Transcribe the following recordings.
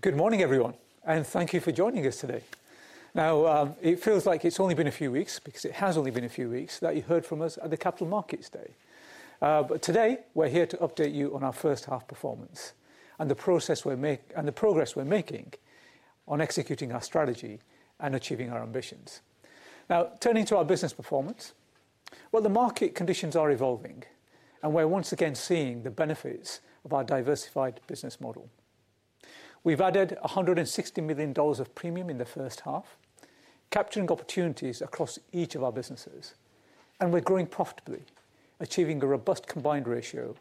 Good morning everyone and thank you for joining us today. It feels like it's only been a few weeks because it has only been a few weeks that you heard from us at the Capital Markets Day. Today we're here to update you on our first half performance and the progress we're making on executing our strategy and achieving our ambitions. Now turning to our business performance, the market conditions are evolving and we're once again seeing the benefits of our diversified business model. We've added $160 million of premium in the first half, capturing opportunities across each of our businesses and we're growing profitably, achieving a robust combined ratio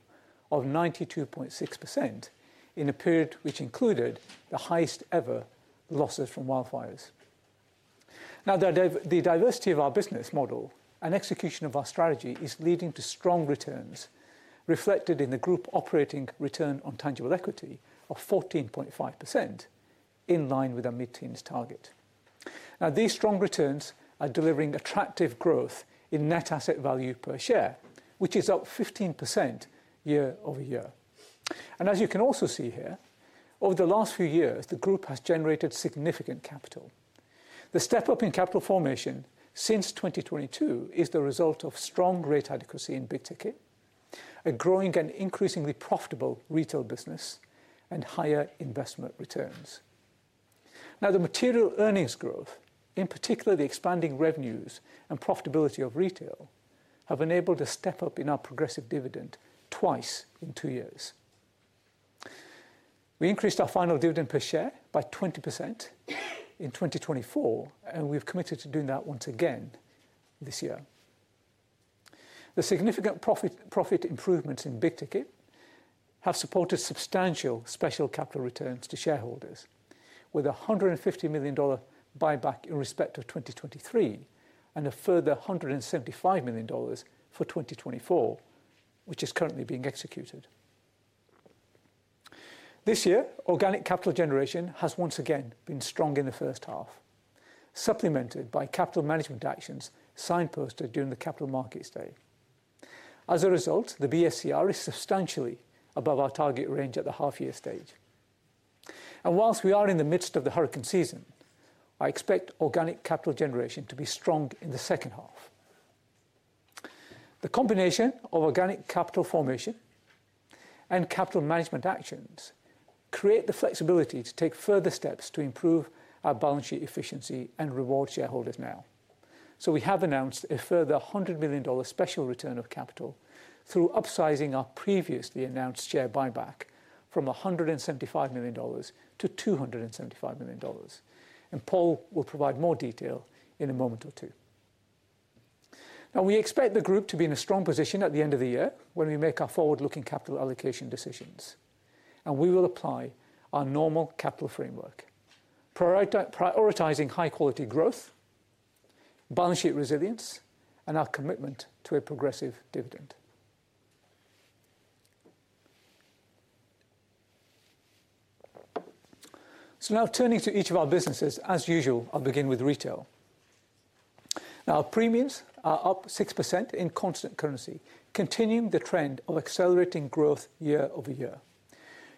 of 92.6% in a period which included the highest ever losses from wildfires. The diversity of our business model and execution of our strategy is leading to strong returns reflected in the group operating return on tangible equity of 14.5% in line with our mid teens target. These strong returns are delivering attractive growth in net asset value per share which is up 15% year-over-year. As you can also see here, over the last few years the group has generated significant capital. The step up in capital formation since 2022 is the result of strong rate adequacy in big ticket, a growing and increasingly profitable retail business and higher investment returns. The material earnings growth, in particular the expanding revenues and profitability of retail, have enabled us to step up in our progressive dividend twice in two years. We increased our final dividend per share by 20% in 2024 and we've committed to doing that once again this year. The significant profit improvements in big ticket have supported substantial special capital returns to shareholders with a $150 million buyback in respect of 2023 and a further $175 million for 2024 which is currently being executed this year. Organic capital generation has once again been strong in the first half, supplemented by capital management actions signposted during the Capital Markets Day. As a result, the BSCR is substantially above our target range at the half year stage. Whilst we are in the midst of the hurricane season, I expect organic capital generation to be strong in the second half. The combination of organic capital formation and capital management actions create the flexibility to take further steps to improve our balance sheet efficiency and reward shareholders now. We have announced a further $100 million special return of capital through upsizing our previously announced share buyback from $175 million to $275 million, and Paul will provide more detail in a moment or two. We expect the group to be in a strong position at the end of the year when we make our forward-looking capital allocation decisions, and we will apply our normal capital framework, prioritizing high quality growth, balance sheet resilience, and our commitment to a progressive dividend. Now turning to each of our businesses as usual, I'll begin with retail. Premiums are up 6% in constant currency, continuing the trend of accelerating growth year-over-year.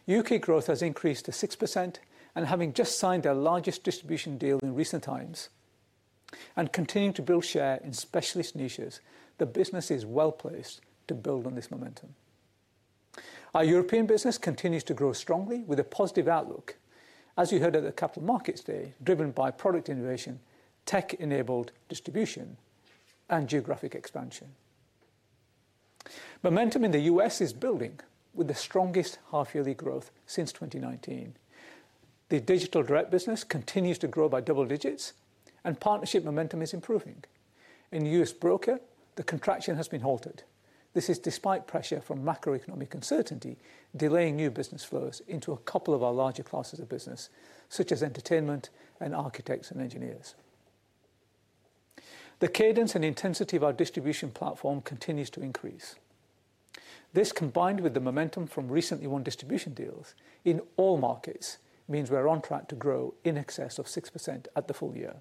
U.K. growth has increased to 6%, and having just signed our largest distribution deal in recent times and continuing to build share in specialist niches, the business is well placed to build on this momentum. Our European business continues to grow strongly with a positive outlook as you heard at the Capital Markets Day. Driven by product innovation, tech-enabled distribution, and geographic expansion, momentum in the U.S. is building with the strongest half yearly growth since 2019. The digital direct business continues to grow by double digits, and partnership momentum is improving. In U.S. Broker, the contraction has been halted. This is despite pressure from macroeconomic uncertainty delaying new business flows into a couple of our larger classes of business such as entertainment and architects and engineers. The cadence and intensity of our distribution platform continues to increase. This, combined with the momentum from recently won distribution deals in all markets, means we are on track to grow in excess of 6% at the full year.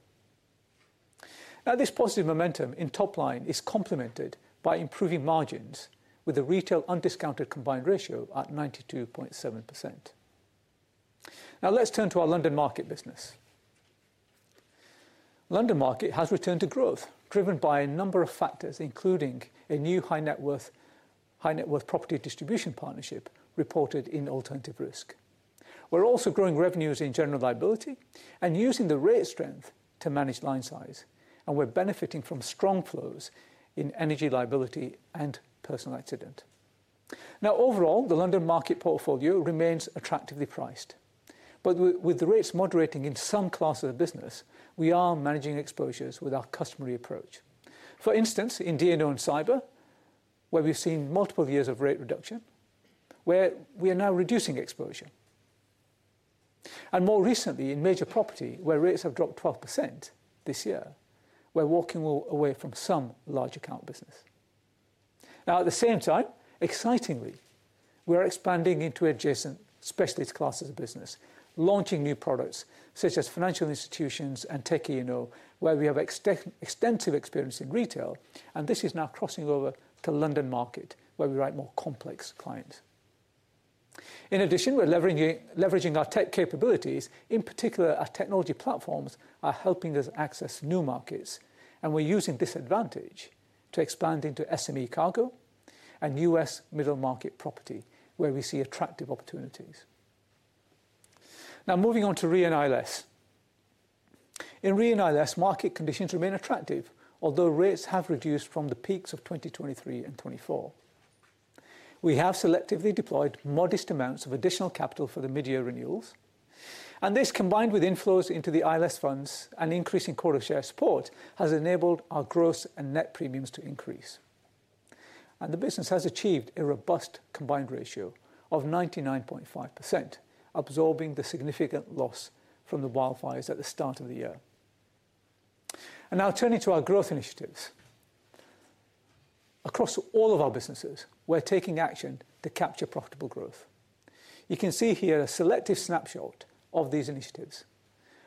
This positive momentum in top line is complemented by improving margins, with the retail undiscounted combined ratio at 92.7%. Now let's turn to our London Market business. London Market has returned to growth, driven by a number of factors including a new high net worth property distribution partnership reported in Alternative Risk. We're also growing revenues in general liability and using the rate strength to manage line size. We're benefiting from strong flows in energy liability and personal accident. Overall, the London Market portfolio remains attractively priced, but with the rates moderating in some classes of business, we are managing exposures with our customary approach. For instance, in D&O and cyber where we've seen multiple years of rate reduction, we are now reducing exposure, and more recently in major property where rates have dropped 12% this year, we're walking away from some large account business now. At the same time, excitingly, we're expanding into adjacent specialist classes of business, launching new products such as financial institutions and tech E&O where we have extensive experience in retail. This is now crossing over to London Market where we write more complex clients. In addition, we're leveraging our tech capabilities. In particular, our technology platforms are helping us access new markets, and we're using this advantage to expand into SME cargo and U.S. middle market property where we see attractive opportunities. Now moving on to Reinsurance & ILS. In Reinsurance & ILS, market conditions remain attractive, although rates have reduced from the peaks of 2023 and 2024. We have selectively deployed modest amounts of additional capital for the mid-year renewals, and this combined with inflows into the ILS funds and increasing quota share support has enabled our gross and net premiums to increase, and the business has achieved a robust combined ratio of 99.5%. Absorbing the significant loss from the wildfires at the start of the year and now turning to our growth initiatives across all of our businesses, we're taking action to capture profitable growth. You can see here a selective snapshot of these initiatives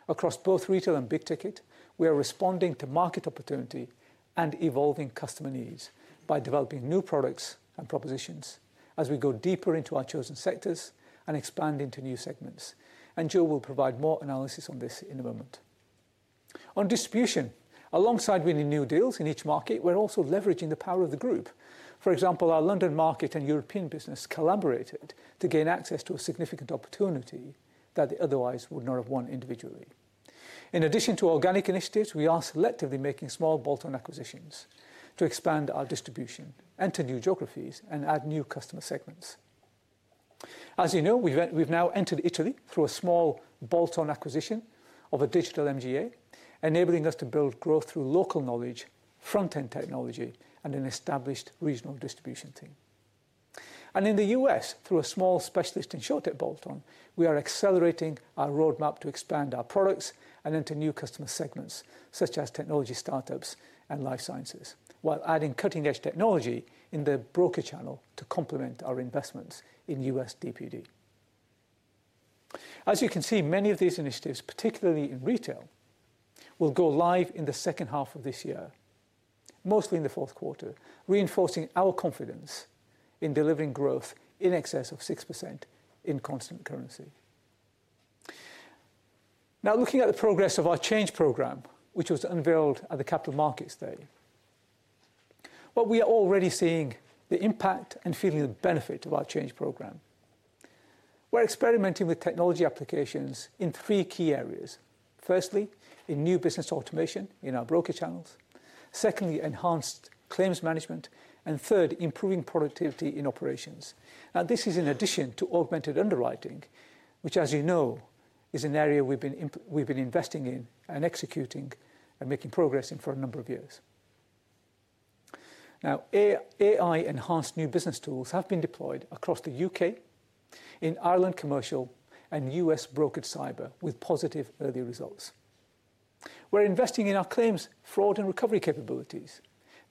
across both retail and big ticket. We are responding to market opportunity and evolving customer needs by developing new products and propositions as we go deeper into our chosen sectors and expand into new segments, and Jo will provide more analysis on this in a moment. On distribution, alongside winning new deals in each market, we're also leveraging the power of the group. For example, our London Market and European business collaborated to gain access to a significant opportunity that they otherwise would not have won individually. In addition to organic initiatives, we are selectively making small bolt-on acquisitions to expand our distribution, enter new geographies, and add new customer segments. As you know, we've now entered Italy through a small bolt-on acquisition of a digital MGA, enabling us to build growth through local knowledge, front-end technology, and an established regional distribution team. In the U.S., through a small specialist. In short, at Bolt on, we are accelerating our roadmap to expand our products and into new customer segments such as technology startups and life sciences, while adding cutting-edge technology in the broker channel to complement our investments in U.S. DPD. As you can see, many of these initiatives, particularly in retail, will go live in the second half of this year, mostly in the fourth quarter, reinforcing our confidence in delivering growth in excess of 6% in constant currency. Now looking at the progress of our Change Program which was unveiled at the Capital Markets Day. We are already seeing the impact and feeling the benefit of our Change Program. We're experimenting with technology applications in three key areas. Firstly, in new business automation in our broker channels, secondly, enhanced claims management, and third, improving productivity in operations. This is in addition to augmented underwriting, which as you know is an area we've been investing in and executing and making progress in for a number of years now. AI-enhanced new business tools have been deployed across the U.K., in Ireland, commercial, and U.S. brokered cyber with positive early results. We're investing in our claims fraud and recovery capabilities.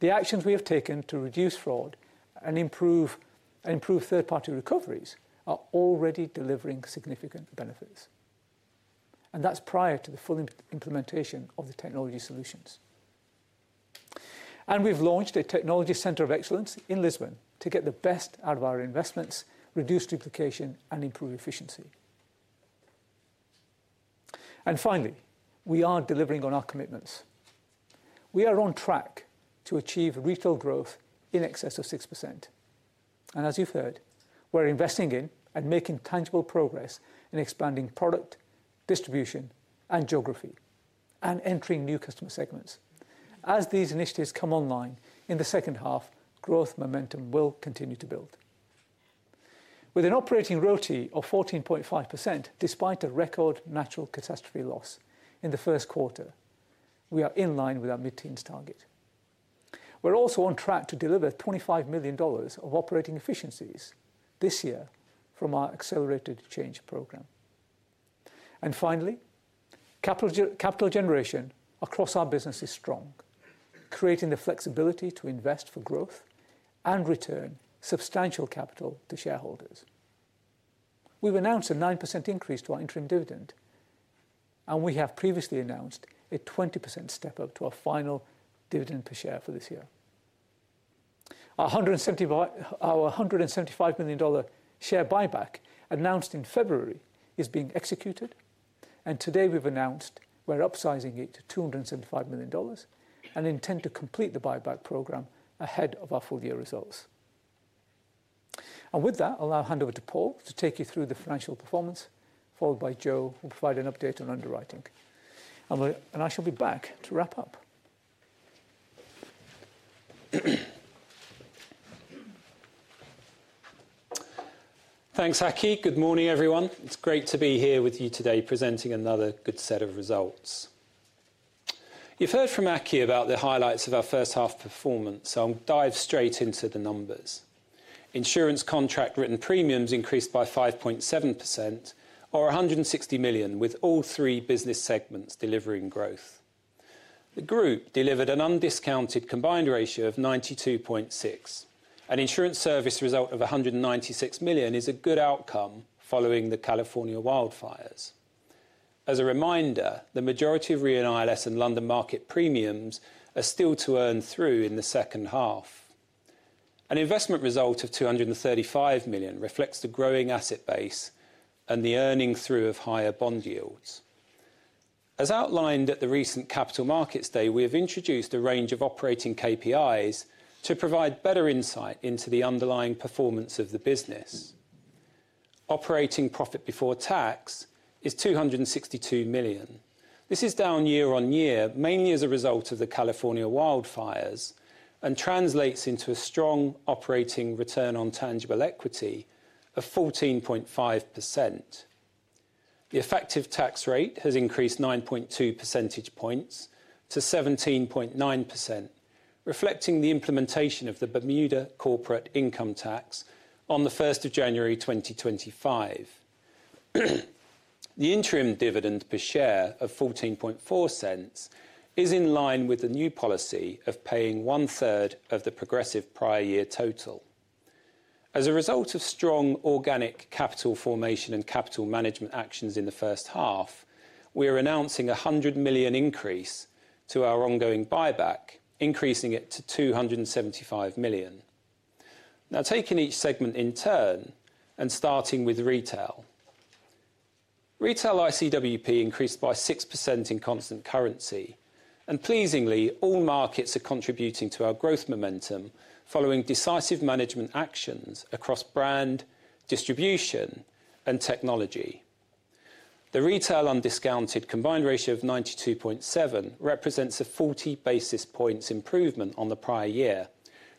The actions we have taken to reduce fraud and improve third-party recoveries are already delivering significant benefits and that's prior to the full implementation of the technology solutions. We've launched a Technology Centre of Excellence in Lisbon to get the best out of our investments, reduce duplication, and improve efficiency. Finally, we are delivering on our commitments. We are on track to achieve retail growth in excess of 6% and as you've heard, we're investing in and making tangible progress in expanding product distribution and geography and entering new customer segments. As these initiatives come online in the second half, growth momentum will continue to build. With an operating ROTI of 14.5% despite a record natural catastrophe loss in the first quarter, we are in line with our mid-teens target. We're also on track to deliver $25 million of operating efficiencies this year from our Accelerated Change Program. Finally, capital generation across our business is strong, creating the flexibility to invest for growth and return substantial capital to shareholders. We've announced a 9% increase to our interim dividend, and we have previously announced a 20% step up to our final dividend per share for this year. Our $175 million share buyback announced in February is being executed, and today we've announced we're upsizing it to $275 million and intend to complete the buyback program ahead of our full year results. With that, I'll now hand over to Paul to take you through the financial performance, followed by Joanne who will provide an update on underwriting, and I shall be back to wrap up. Thanks Aki. Good morning everyone. It's great to be here with you today presenting another good set of results. You've heard from Aki about the highlights of our first half performance, so I'll dive straight into the numbers. Insurance contract written premiums increased by 5.7% or $160 million with all three business segments delivering growth. The group delivered an undiscounted combined ratio of 92.6%. An insurance service result of $196 million is a good outcome following the California wildfires. As a reminder, the majority of Re & ILS and London Market premiums are still to earn through in the second half. An investment result of $235 million reflects the growing asset base and the earning through of higher bond yields as outlined at the recent Capital Markets Day. We have introduced a range of operating KPIs to provide better insight into the underlying performance of the business. Operating profit before tax is $262 million. This is down year-on-year mainly as a result of the California wildfires and translates into a strong operating return on tangible equity of 14.5%. The effective tax rate has increased 9.2 percentage points to 17.9% reflecting the implementation of the Bermuda corporate income tax on the 1st of January 2025. The interim dividend per share of $14.40 is in line with the new policy of paying 1/3 of the progressive prior year total. As a result of strong organic capital formation and capital management actions in the first half, we are announcing a $100 million increase to our ongoing buyback increasing it to $275 million. Now taking each segment in turn and starting with retail. Retail ICWP increased by 6% in constant currency and pleasingly all markets are contributing to our growth momentum following decisive management actions across brand, distribution, and technology. The retail undiscounted combined ratio of 92.7% represents a 40 basis points improvement on the prior year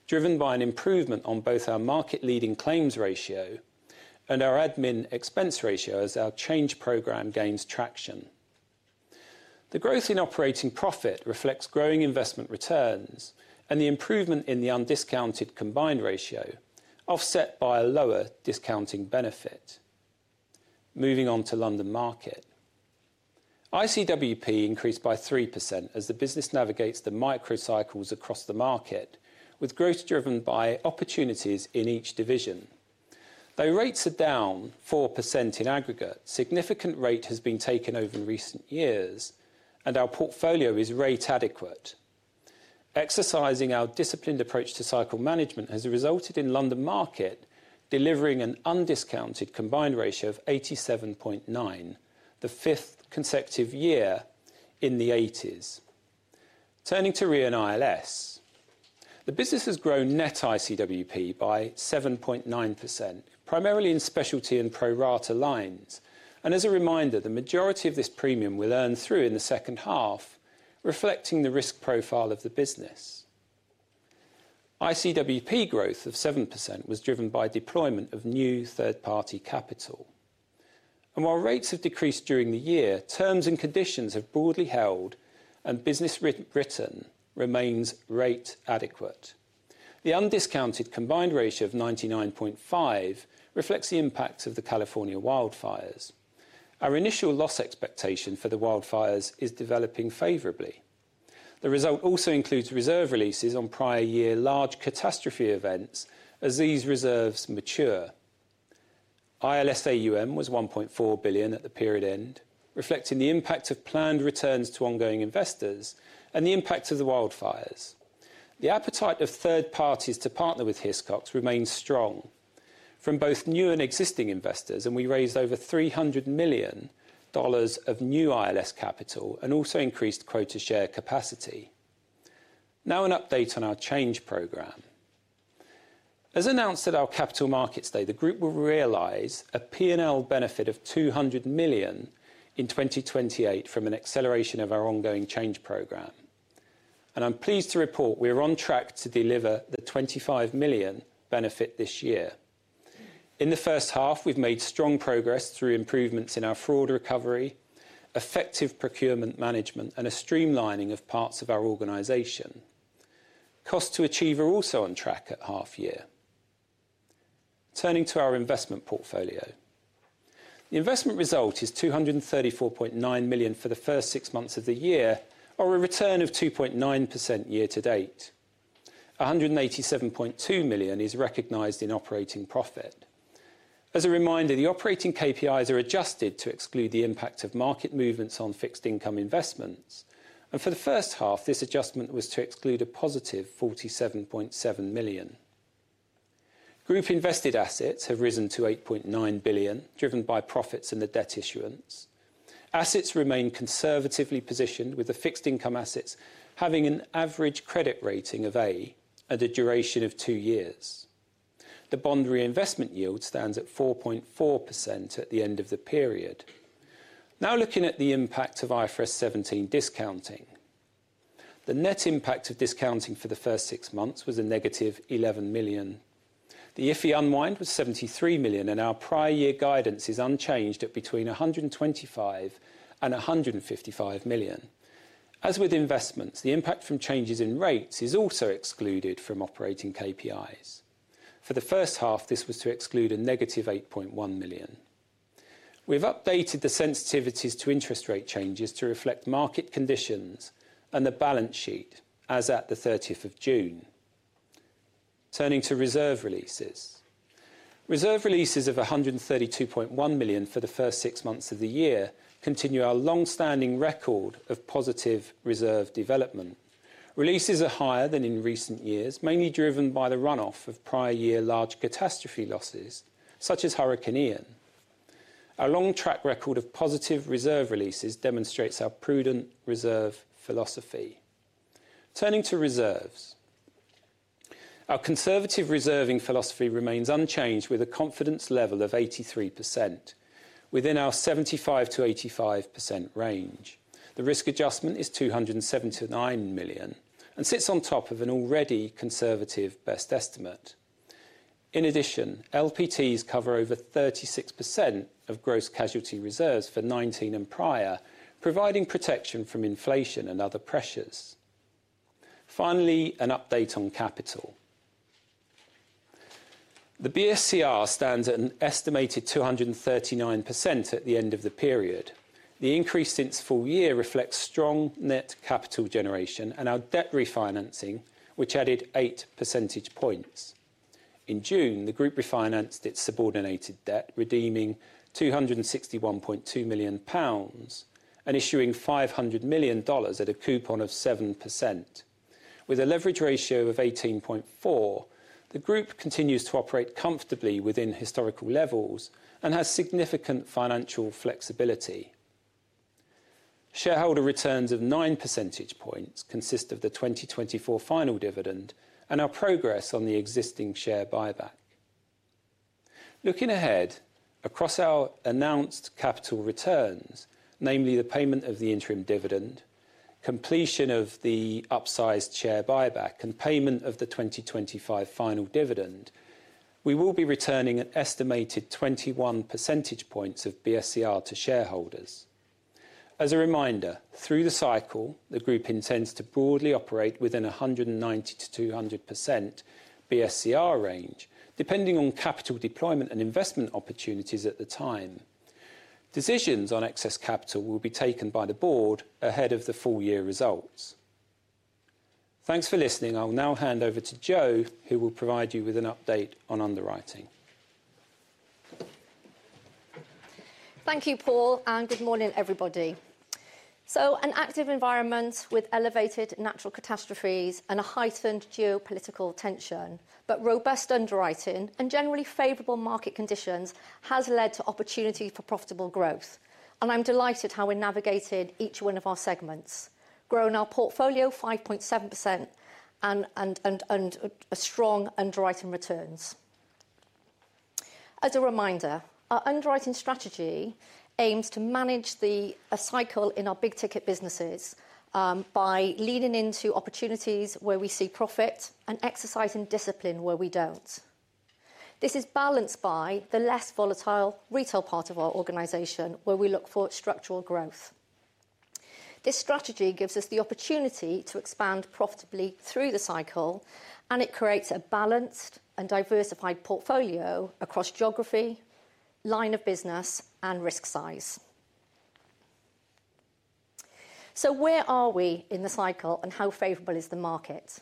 driven by an improvement on both our market leading claims ratio and our admin expense ratio. As our Accelerated Change Program gains traction, the growth in operating profit reflects growing investment returns and the improvement in the undiscounted combined ratio offset by a lower discounting benefit. Moving on to London Market, ICWP increased by 3% as the business navigates the micro cycles across the market with growth driven by opportunities in each division. Though rates are down 4% in aggregate, significant rate has been taken over in recent years and our portfolio is rate adequate. Exercising our disciplined approach to cycle management has resulted in London Market delivering an undiscounted combined ratio of 87.9, the fifth consecutive year in the 80s. Turning to Reinsurance & ILS, the business has grown net ICWP by 7.9%, primarily in specialty and pro rata lines, and as a reminder, the majority of this premium will earn through in the second half. Reflecting the risk profile of the business, ICWP growth of 7% was driven by deployment of new third party capital, and while rates have decreased during the year, terms and conditions have broadly held and business written remains rate adequate. The undiscounted combined ratio of 99.5 reflects the impact of the California wildfires. Our initial loss expectation for the wildfires is developing favorably. The result also includes reserve releases on prior year large catastrophe events as these reserves mature. ILS AUM was $1.4 billion at the period end, reflecting the impact of planned returns to ongoing investors and the impact of the wildfires. The appetite of third parties to partner with Hiscox remains strong from both new and existing investors, and we raised over $300 million of new ILS capital and also increased quota share capacity. Now an update on our change program. As announced at our Capital Markets Day, the Group will realize a P&L benefit of $200 million in 2028 from an acceleration of our ongoing change program, and I'm pleased to report we are on track to deliver the $25 million benefit this year. In the first half, we've made strong progress through improvements in our fraud recovery, effective procurement management, and a streamlining of parts of our organization. Cost to achieve are also on track at half year. Turning to our investment portfolio, the investment result is $234.9 million for the first six months of the year, or a return of 2.9% year to date. $187.2 million is recognized in operating profit. As a reminder, the operating KPIs are adjusted to exclude the impact of market movements on fixed income investments. For the first half, this adjustment was to exclude a +$47.7 million. Group invested assets have risen to $8.9 billion, driven by profits and the debt issuance. Assets remain conservatively positioned, with the fixed income assets having an average credit rating of A at a duration of two years. The bond reinvestment yield stands at 4.4% at the end of the period. Now, looking at the impact of IFRS 17 discounting, the net impact of discounting for the first six months was a -$11 million. The IFFE unwind was $73 million and our prior year guidance is unchanged at between $125 million and $155 million. As with investments, the impact from changes in rates is also excluded from operating KPIs. For the first half this was to exclude a negative $8.1 million. We have updated the sensitivities to interest rate changes to reflect market conditions and the balance sheet as at the 30th of June. Turning to reserve releases, reserve releases of $132.1 million for the first six months of the year continue. Our long standing record of positive reserve development releases are higher than in recent years, mainly driven by the runoff of prior year large catastrophe losses such as Hurricane Ian. A long track record of positive reserve releases demonstrates our prudent reserve philosophy. Turning to reserves, our conservative reserving philosophy remains unchanged with a confidence level of 83% within our 75%-85% range. The risk adjustment is $279 million and sits on top of an already conservative best estimate. In addition, LPTs cover over 36% of gross casualty reserves for 2019 and prior, providing protection from inflation and other pressures. Finally, an update on capital, the BSCR stands at an estimated 239% at the end of the period. The increase since full year reflects strong net capital generation and our debt refinancing, which added 8 percentage points. In June, the Group refinanced its subordinated debt, redeeming 261.2 million pounds and issuing $500 million at a coupon of 7% with a leverage ratio of 18.4%. The group continues to operate comfortably within historical levels and has significant financial flexibility. Shareholder returns of 9 percentage points consist of the 2024 final dividend and our progress on the existing share buyback. Looking ahead across our announced capital returns, namely the payment of the interim dividend, completion of the upsized share buyback and payment of the 2025 final dividend, we will be returning an estimated 21 percentage points of BSCR to shareholders. As a reminder, through the cycle, the group intends to broadly operate within 190% to 200% BSCR range, depending on capital deployment and investment opportunities at the time. Decisions on excess capital will be taken by the Board ahead of the full year results. Thanks for listening. I'll now hand over to Jo, who will provide you with an update on underwriting. Thank you, Paul, and good morning everybody. An active environment with elevated natural catastrophes and heightened geopolitical tension, but robust underwriting and generally favorable market conditions has led to opportunity for profitable growth. I'm delighted how we navigated each one of our segments, growing our portfolio 5.7% and strong underwriting returns. As a reminder, our underwriting strategy aims to manage the cycle in our big ticket businesses by leaning into opportunities where we see profit and exercising discipline where we don't. This is balanced by the less volatile retail part of our organization where we look for structural growth. This strategy gives us the opportunity to expand profitably through the cycle and it creates a balanced and diversified portfolio across geography, line of business, and risk size. Where are we in the cycle and how favorable is the market?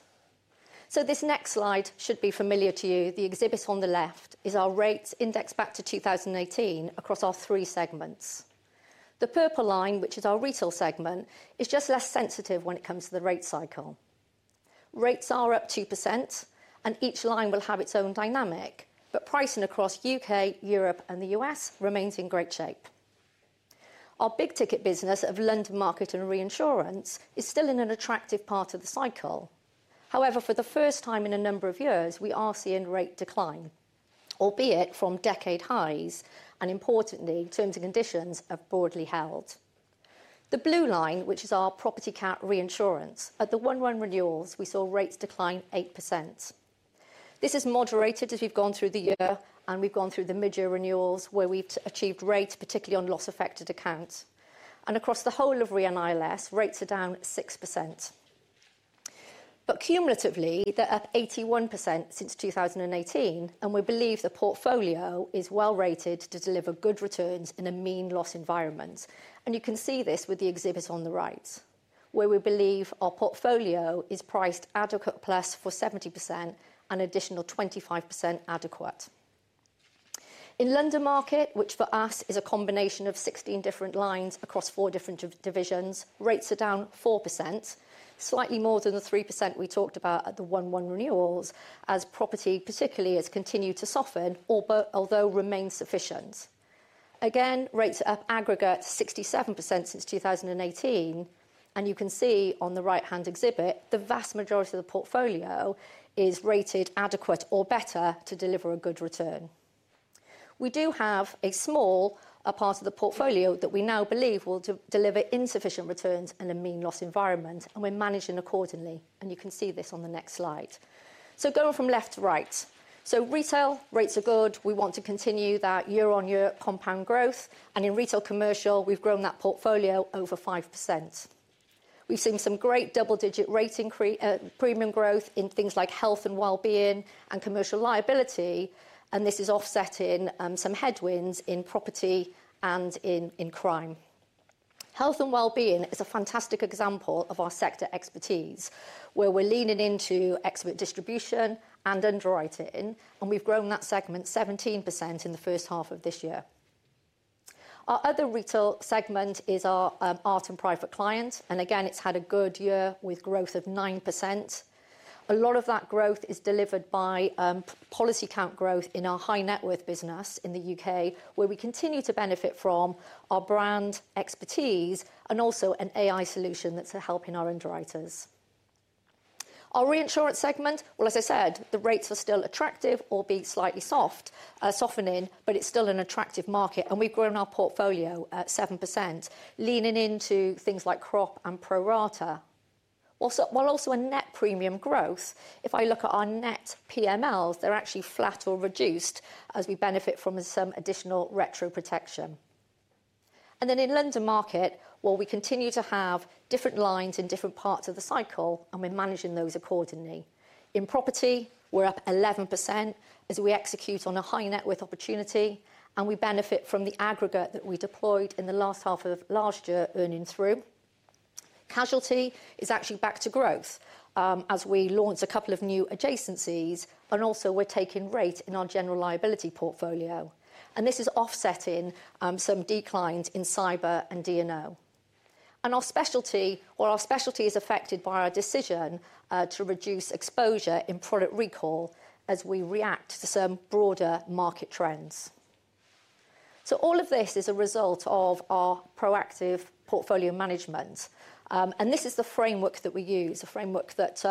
This next slide should be familiar to you. The exhibit on the left is our rates indexed back to 2018 across our three segments. The purple line, which is our retail segment, is just less sensitive when it comes to the rate. Cycle rates are up 2% and each line will have its own dynamic, but pricing across U.K., Europe, and the U.S. remains in great shape. Our big ticket business of London Market and Reinsurance is still in an attractive part of the cycle. However, for the first time in a number of years we are seeing rate decline, albeit from decade highs, and importantly, terms and conditions are broadly held. The blue line, which is our property cat reinsurance, at the 1:1 renewals we saw rates decline 8%. This is moderated as we've gone through the year and we've gone through the mid-year renewals where we achieved rates particularly on loss-affected accounts. Across the whole of Re & ILS, rates are down 6% but cumulatively they're up 81% since 2018. We believe the portfolio is well rated to deliver good returns in a mean loss environment. You can see this with the exhibit on the right where we believe our portfolio is priced adequate plus for 70%, an additional 25% adequate. In London Market, which for us is a combination of 16 different lines across four different divisions, rates are down 4%, slightly more than the 3% we talked about at the 1:1 renewals as property particularly has continued to soften, although remains sufficient. Again, rates are up aggregate 67% since 2018. You can see on the right-hand exhibit the vast majority of the portfolio is rated adequate or better to deliver a good return. We do have a small part of the portfolio that we now believe will deliver insufficient returns in a mean loss environment, and we're managing accordingly. You can see this on the next slide. Going from left to right, retail rates are good. We want to continue that year-on-year compound growth, and in retail commercial, we've grown that portfolio over 5%. We've seen some great double-digit rate premium growth in things like health and wellbeing and commercial liability. This is offsetting some headwinds in property and in crime. Health and wellbeing is a fantastic example of our sector expertise, where we're leaning into expert distribution and underwriting. We've grown that segment 17% in the first half of this year. Our other retail segment is our art and private client, and again it's had a good year with growth of 9%. A lot of that growth is delivered by policy count growth in our high net worth business in the U.K., where we continue to benefit from our brand expertise and also an AI solution that's helping our underwriters. Our reinsurance segment, as I said, the rates are still attractive, albeit slightly softening, but it's still an attractive market. We've grown our portfolio at 7%, leaning into things like crop and pro rata while also a net premium growth. If I look at our net PMLs, they're actually flat or reduced as we benefit from some additional retro protection. In London Market, we continue to have different lines in different parts of the cycle, and we're managing those accordingly. In property, we're up 11% as we execute on a high net worth opportunity and we benefit from the aggregate that we deployed in the last half of last year. Earning through casualty is actually back to growth as we launch a couple of new adjacencies. We're taking rate in our general liability portfolio, and this is offsetting some declines in cyber and D&O. Our specialty is affected by our decision to reduce exposure in product recall as we react to some broader market trends. All of this is a result of our proactive portfolio management, and this is the framework that we use, a framework that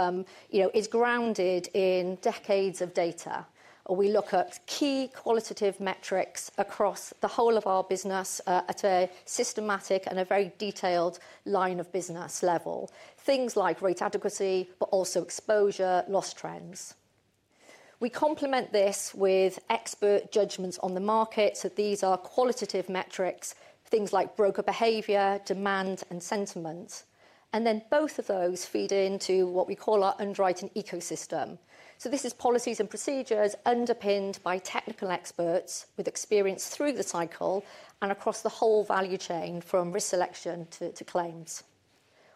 is grounded in decades of data. We look at key qualitative metrics across the whole of our business at a systematic and a very detailed line of business level. Things like rate adequacy, but also exposure loss trends. We complement this with expert judgments on the market. These are qualitative metrics, things like broker behavior, demand, and sentiment. Both of those feed into what we call our underwriting ecosystem. This is policies and procedures underpinned by technical experts with experience through the cycle and across the whole value chain from risk selection to claims.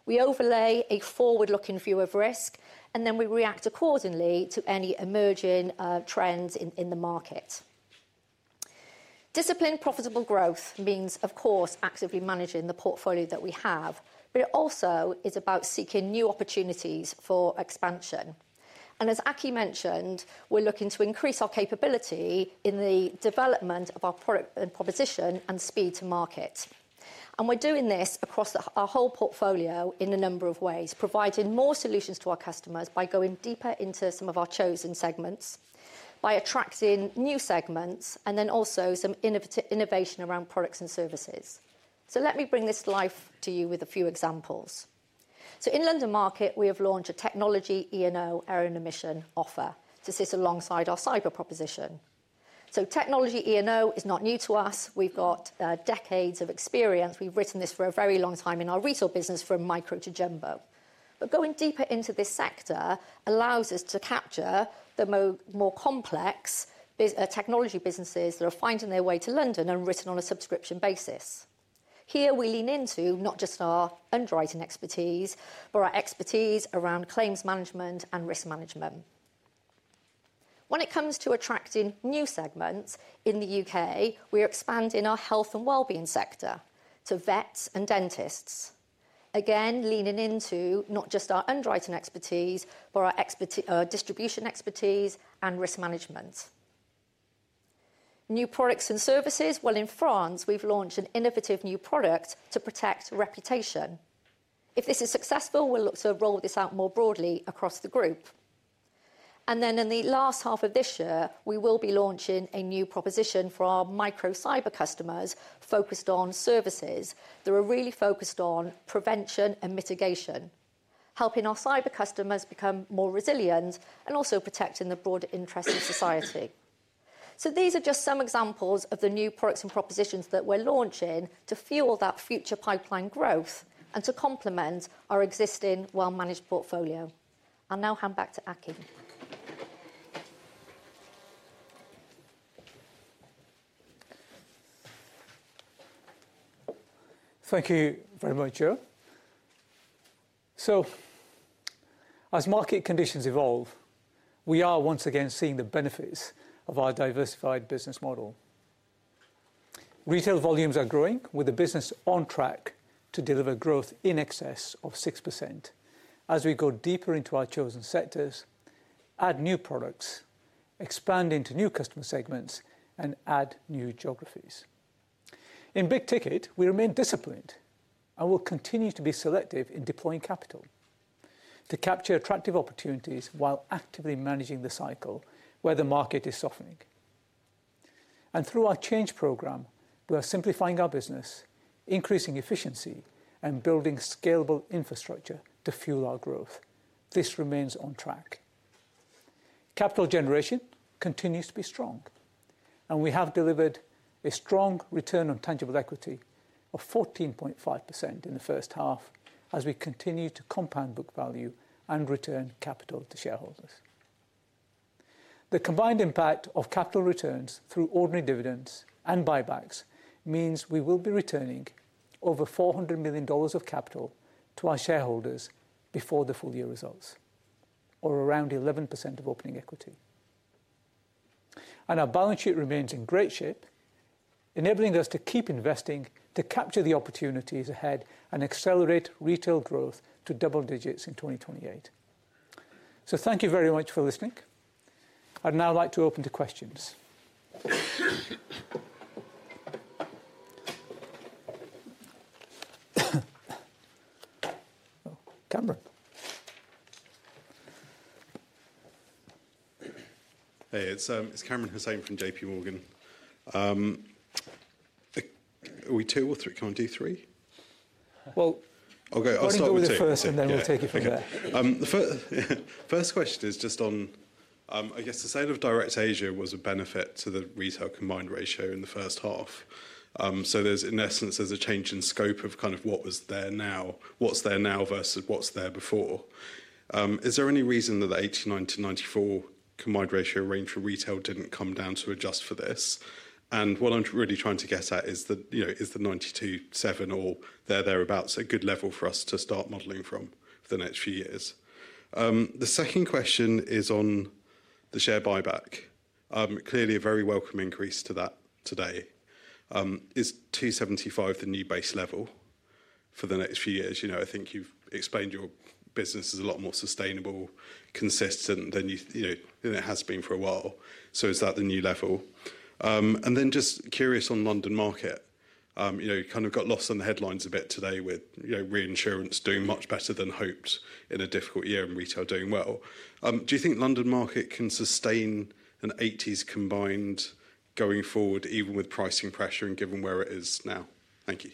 We overlay a forward-looking view of risk and then we react accordingly to any emerging trends in the market. Disciplined profitable growth means, of course, actively managing the portfolio that we have. It also is about seeking new opportunities for expansion. As Aki mentioned, we're looking to increase our capability in the development of our product proposition and speed to market. We're doing this across our whole portfolio in a number of ways, providing more solutions to our customers by going deeper into some of our chosen segments, by attracting new segments, and also some innovation around products and services. Let me bring this to life for you with a few examples. In London Market, we have launched a technology E&O offering to sit alongside our cyber proposition. Technology E&O is not new to us. We've got decades of experience, we've written this for a very long time in our retail business, from micro to jumbo. Going deeper into this sector allows us to capture the more complex technology businesses that are finding their way to London and written on a subscription basis. Here we lean into not just our underwriting expertise or our expertise around claims management and risk management. When it comes to attracting new segments, in the U.K., we are expanding our health and wellbeing sector to vets and dentists. Again, leaning into not just our underwriting expertise, but our distribution expertise and risk management. New products and services, in France we've launched an innovative new product to protect reputation. If this is successful, we'll look to roll this out more broadly across the group. In the last half of this year, we will be launching a new proposition for our micro cyber customers focused on services that are really focused on prevention and mitigation, helping our cyber customers become more resilient and also protecting the broader interests of society. These are just some examples of the new products and propositions that we're launching to fuel that future pipeline growth and to complement our existing well managed portfolio. I'll now hand back to Aki. Thank you very much, Jo. As market conditions evolve, we are once again seeing the benefits of our diversified business model. Retail volumes are growing with the business on track to deliver growth in excess of 6%. As we go deeper into our chosen sectors, add new products, expand into new customer segments, and add new geographies in big ticket, we remain disciplined and will continue to be selective in deploying capital to capture attractive opportunities while actively managing the cycle where the market is softening. Through our change program, we are simplifying our business, increasing efficiency, and building scalable infrastructure to fuel our growth. This remains on track. Capital generation continues to be strong, and we have delivered a strong return on tangible equity of 14.5% in the first half as we continue to compound book value and return capital to shareholders. The combined impact of capital returns through ordinary dividends and buybacks means we will be returning over $400 million of capital to our shareholders before the full year results, or around 11% of opening equity. Our balance sheet remains in great shape, enabling us to keep investing to capture the opportunities ahead and accelerate retail growth to double digits in 2028. Thank you very much for listening. I'd now like to open to questions. Kamran? Hey, it's Kamran Hossain from JPMorgan. Are we two or three? Can't do three. I want to go with it first and then we'll take it from there. The first question is just on, I guess the sale of DirectAsia was a benefit to the retail combined ratio in the first half. There's in essence a change in scope of kind of what was there now, what's there now versus what's there before. Is there any reason that the 89/94 combined ratio range for retail didn't come down to adjust for this? What I'm really trying to get at is the 92.7 or there thereabouts a good level for us to start modeling from for the next few years. The second question is on the share buyback. Clearly a very welcome increase to that today. Is 275 the new base level for the next few years? I think you've explained your business is a lot more sustainable, consistent than it has been for a while. Is that the new level? Just curious on London Market, you kind of got lost on the headlines a bit today with reinsurance doing much better than hoped in a difficult year and retail doing well. Do you think London Market can sustain an 80s combined going forward even with pricing pressure and given where it is now? Thank you.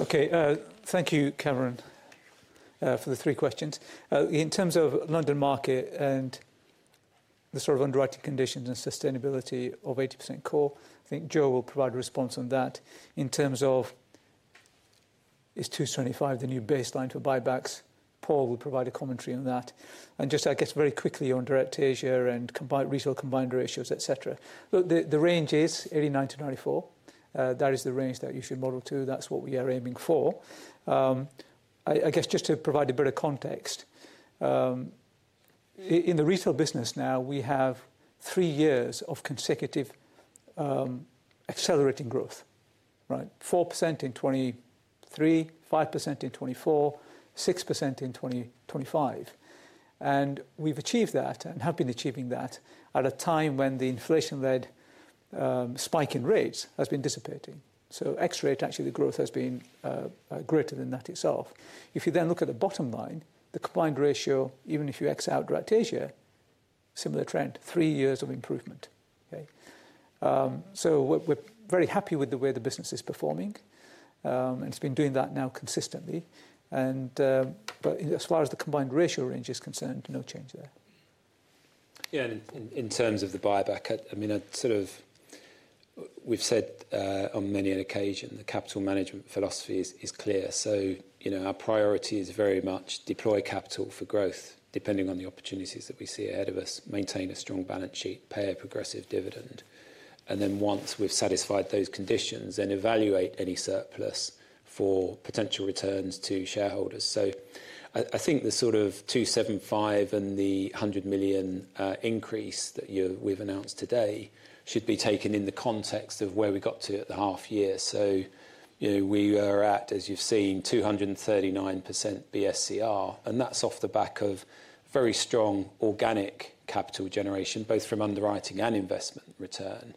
Okay, thank you Kamran for the three questions in terms of London Market and the sort of underwriting conditions and sustainability of 80% core. I think Jo will provide a response on that. In terms of is 275 the new baseline for buybacks, Paul will provide a commentary on that. Just very quickly on DirectAsia and retail combined ratios, et cetera, the range is 89% to 94%. That is the range that you should model to. That's what we are aiming for. Just to provide a bit of context, in the retail business now we have three years of consecutive accelerating growth, right? 4% in 2023, 5% in 2024, 6% in 2025, and we've achieved that and have been achieving that at a time when the inflation-led spike in rates has been dissipating. X rate, actually the growth has been greater than that itself. If you then look at the bottom line, the combined ratio, even if you X out DirectAsia, similar trend, three years of improvement. We are very happy with the way the business is performing and it's been doing that now consistently. As far as the combined ratio range is concerned, no change there. Yeah, in terms of the buyback, I mean we've said on many an occasion the capital management philosophy is clear. Our priority is very much deploy capital for growth depending on the opportunities that we see ahead of us, maintain a strong balance sheet, pay a progressive dividend, and then once we've satisfied those conditions, evaluate any surplus for potential returns to shareholders. I think the sort of $275 million and the $100 million increase that we've announced today should be taken in the context of where we got to at the half year. We are at, as you've seen, 239% BSCR and that's off the back of very strong organic capital generation, both from underwriting and investment return,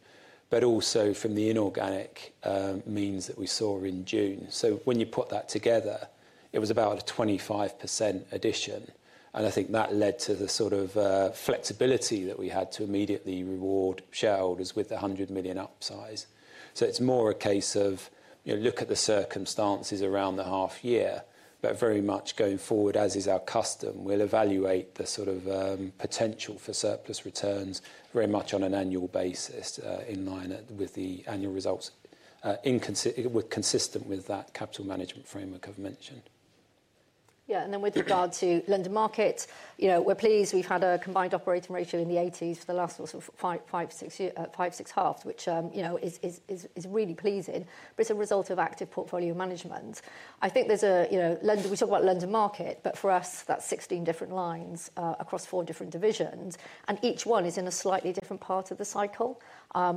but also from the inorganic means that we saw in June. When you put that together it was about a 25% addition and I think that led to the sort of flexibility that we had to immediately reward shareholders with the $100 million upsize. It's more a case of, you know, look at the circumstances around the half year but very much going forward, as is our custom, we'll evaluate the sort of potential for surplus returns very much on an annual basis in line with the annual results consistent with that capital management framework I've mentioned. Yeah. With regard to London Market, we're pleased we've had a combined ratio in the 80s for the last five, six halves, which is really pleasing but it's a result of active portfolio management. I think there's a, you know, we talk about London Market but for us that's 16 different lines across four different divisions and each one is in a slightly different part of the cycle.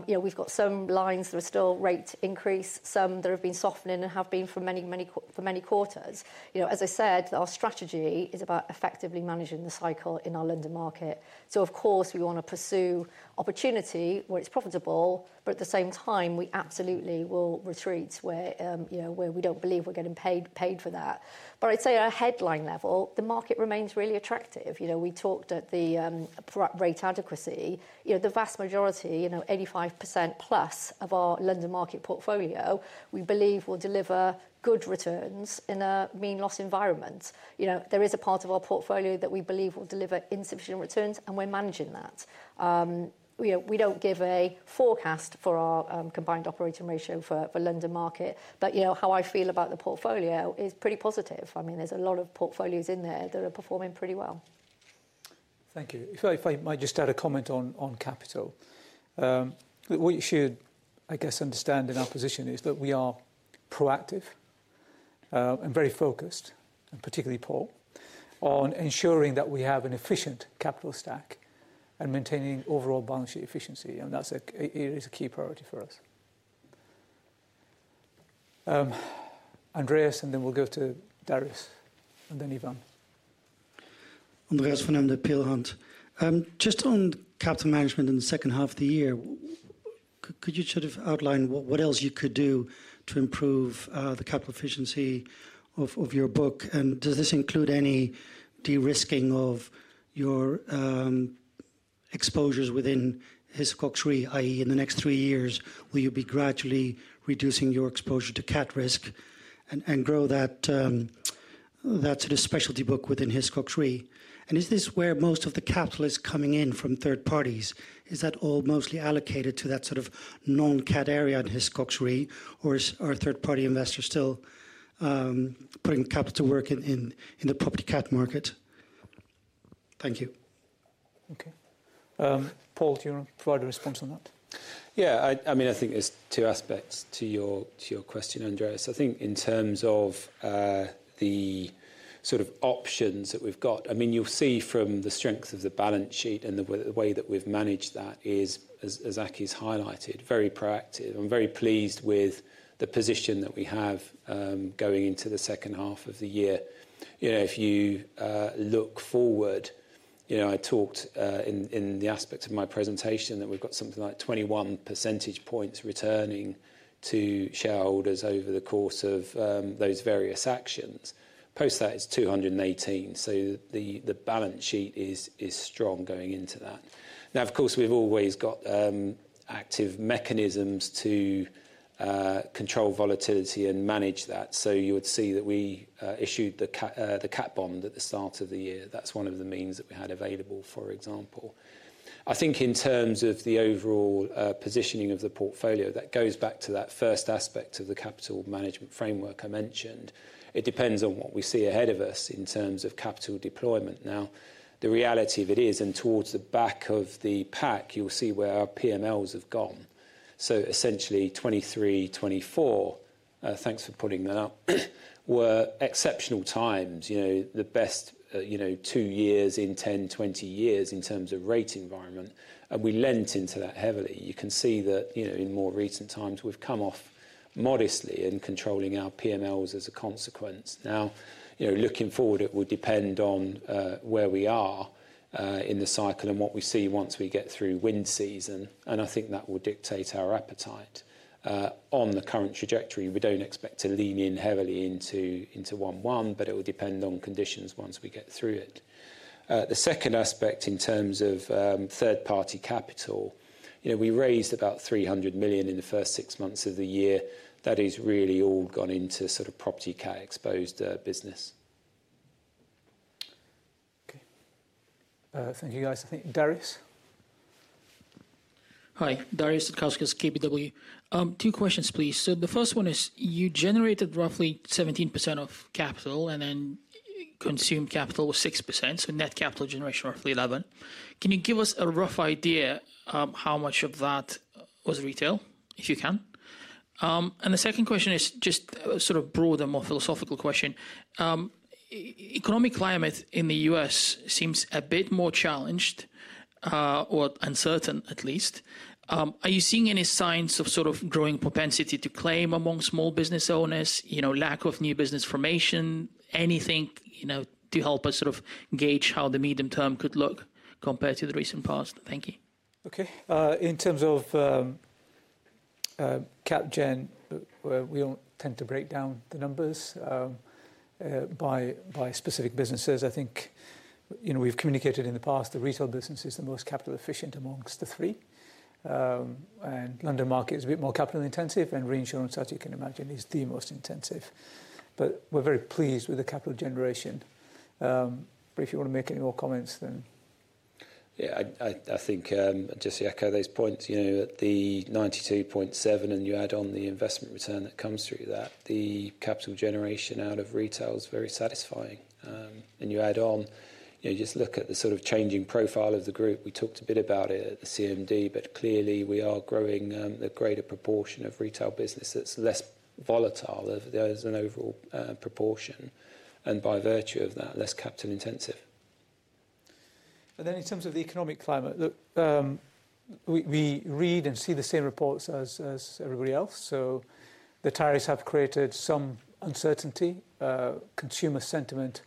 We've got some lines that are still rate increase, some that have been softening and have been for many, many, for many quarters. As I said, our strategy is about effectively managing the cycle in our London Market. Of course we want to pursue opportunity where it's profitable but at the same time we absolutely will retreat where we don't believe we're getting paid for that. I'd say at a headline level the market remains really attractive. We talked at the rate adequacy, the vast majority, 85%+ of our London Market portfolio we believe will deliver good returns in a mean loss environment. There is a part of our portfolio that we believe will deliver insufficient returns and we're managing that. We don't give a forecast for our combined ratio for London Market. How I feel about the portfolio is pretty positive. There's a lot of portfolios in there that are performing pretty well. Thank you. If I might just add a comment on capital. What you should, I guess, understand in our position is that we are proactive and very focused, and particularly Paul, on ensuring that we have an efficient capital stack and maintaining overall balance sheet efficiency. That's a key priority for us. Andreas, and then we'll go to Darius and then Ivan. [Andreas van der], just on capital management in the second half of the year, could you sort of outline what else you could do to improve the capital efficiency of your book? Does this include any de-risking of your exposures within Hiscox, that is, in the next three years, will you be gradually reducing your exposure to CAT risk and grow that sort of specialty book within Hiscox? Is this where most of the capital is coming in from third parties? Is that all mostly allocated to that sort of non-CAT area in Hiscox, or are third party investors still putting capital to work in the property CAT market? Thank you. Okay, Paul, do you want to provide a response on that? Yeah, I mean, I think there's two aspects to your question, Andreas. I think in terms of the sort of options that we've got, you'll see from the strength of the balance sheet and the way that we've managed that is, as Aki's highlighted, very proactive. I'm very pleased with the position that we have going into the second half of the year. If you look forward, I talked in the aspect of my presentation that we've got something like 21% returning to shareholders over the course of those various actions post that is 218. The balance sheet is strong going into that. Of course, we've always got active mechanisms to control volatility and manage that. You would see that we issued the CAT bond at the start of the year. That's one of the means that we had available. For example, I think in terms of the overall positioning of the portfolio, that goes back to that first aspect of the capital management framework I mentioned. It depends on what we see ahead of us in terms of capital deployment. The reality of it is, and towards the back of the pack, you'll see where our PMLs have gone. Essentially, 2023, 2024. Thanks for putting that up. Were exceptional times, the best. Two years in 10, 20 years in terms of rate environment, we lent into that heavily. You can see that in more recent times we've come off modestly in controlling our PMLs as a consequence. Now, looking forward, it would depend on where we are in the cycle and what we see once we get through wind season. I think that will dictate our appetite on the current trajectory. We don't expect to lean in heavily into 1:1, but it will depend on conditions once we get through. Second aspect in terms of third party capital, we raised about $300 million in the first six months of the year. That is really all gone into sort of property cat exposed business. Thank you, guys. I think Darius? Hi, Darius Satkauskas, KBW. Two questions please. The first one is you generated roughly 17% of capital and then generated consumed capital was 6%. Net capital generation roughly 11%. Can you give us a rough idea how much of that was retail, if you can? The second question is just sort of broader, more philosophical question. Economic climate in the U.S. seems a bit more challenged or uncertain at least. Are you seeing any signs of sort of growing propensity to claim among small business owners, lack of new business formation, anything to help us sort of gauge how the medium term could look compared to the recent past? Thank you. Okay. In terms of CapGen, we don't tend to break down the numbers by specific businesses. I think we've communicated in the past the retail business is the most capital efficient amongst the three, and London Market is a bit more capital intensive, and reinsurance, as you can imagine, is the most intensive. We're very pleased with the capital generation. If you want to make any more comments then? yeah, I think just to echo those points at the 92.7% and you add on the investment return that comes through, the capital generation out of retail is very satisfying. You add on, you just look at the sort of changing profile of the group. We talked a bit about it at the CMD, but clearly we are growing the greater proportion of retail business that's less, less volatile as an overall proportion and by virtue of that, less capital intensive. In terms of the economic climate, look, we read and see the same reports as everybody else. The tariffs have created some uncertainty. Consumer sentiment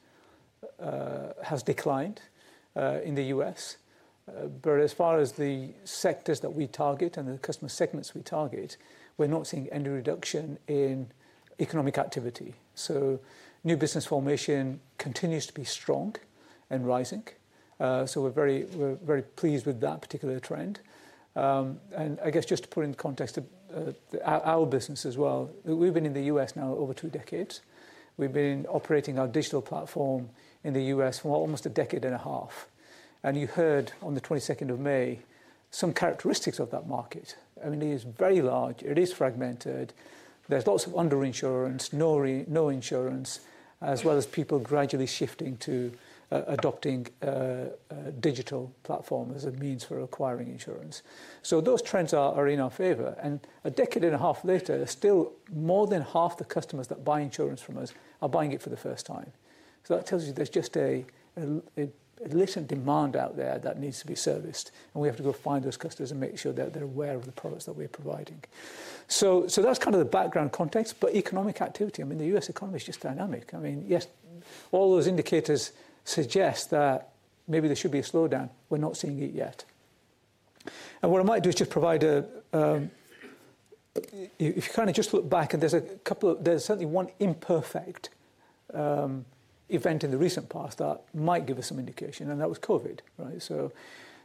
has declined in the U.S., but as far as the sectors that we target and the customer segments we target, we're not seeing any reduction in economic activity. New business formation continues to be strong and rising. We're very pleased with that particular trend. Just to put in context our business as well, we've been in the U.S. now over two decades. We've been operating our digital platform in the U.S. for almost a decade and a half. You heard on the 22nd of May some characteristics of that market. It is very large, it is fragmented, there's lots of underinsurance, no insurance, as well as people gradually shifting to adopting digital platform as a means for acquiring insurance. Those trends are in our favor. A decade and a half later, still more than half the customers that buy insurance from us are buying it for the first time. That tells you there's just a literal demand out there that needs to be serviced and we have to go find those customers and make sure that they're aware of the products that we're providing. That's kind of the background context. Economic activity, I mean, the U.S. economy is just dynamic. Yes, all those indicators suggest that maybe there should be a slowdown. We're not seeing it yet. What I might do is just provide a—if you kind of just look back and there's a couple of—there's certainly one imperfect event in the recent past that might give us some indication. That was Covid.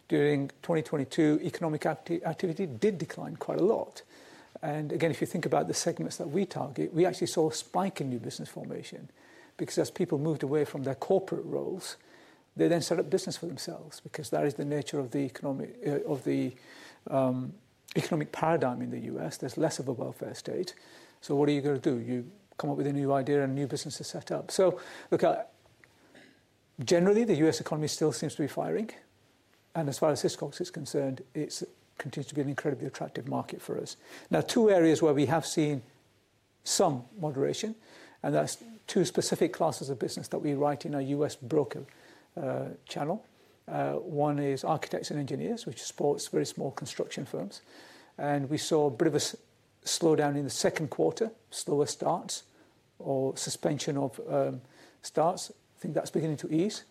During 2022, economic activity did decline quite a lot. Again, if you think about the segments that we target, we actually saw a spike in new business formation because as people moved away from their corporate, they then set up business for themselves because that is the nature of the economic paradigm in the U.S. There's less of a welfare state. What are you going to do? You come up with a new idea and new businesses set up. Generally, the U.S. economy still seems to be firing and as far as Hiscox is concerned, it continues to be an incredibly attractive market for us. Two areas where we have seen some moderation, and that's—there's two specific classes of business that we write in our U.S. Broker channel. One is architects and engineers, which supports very small construction firms. We saw a bit of a slowdown in the second quarter. Slower starts or suspension of starts. I think that's beginning to ease.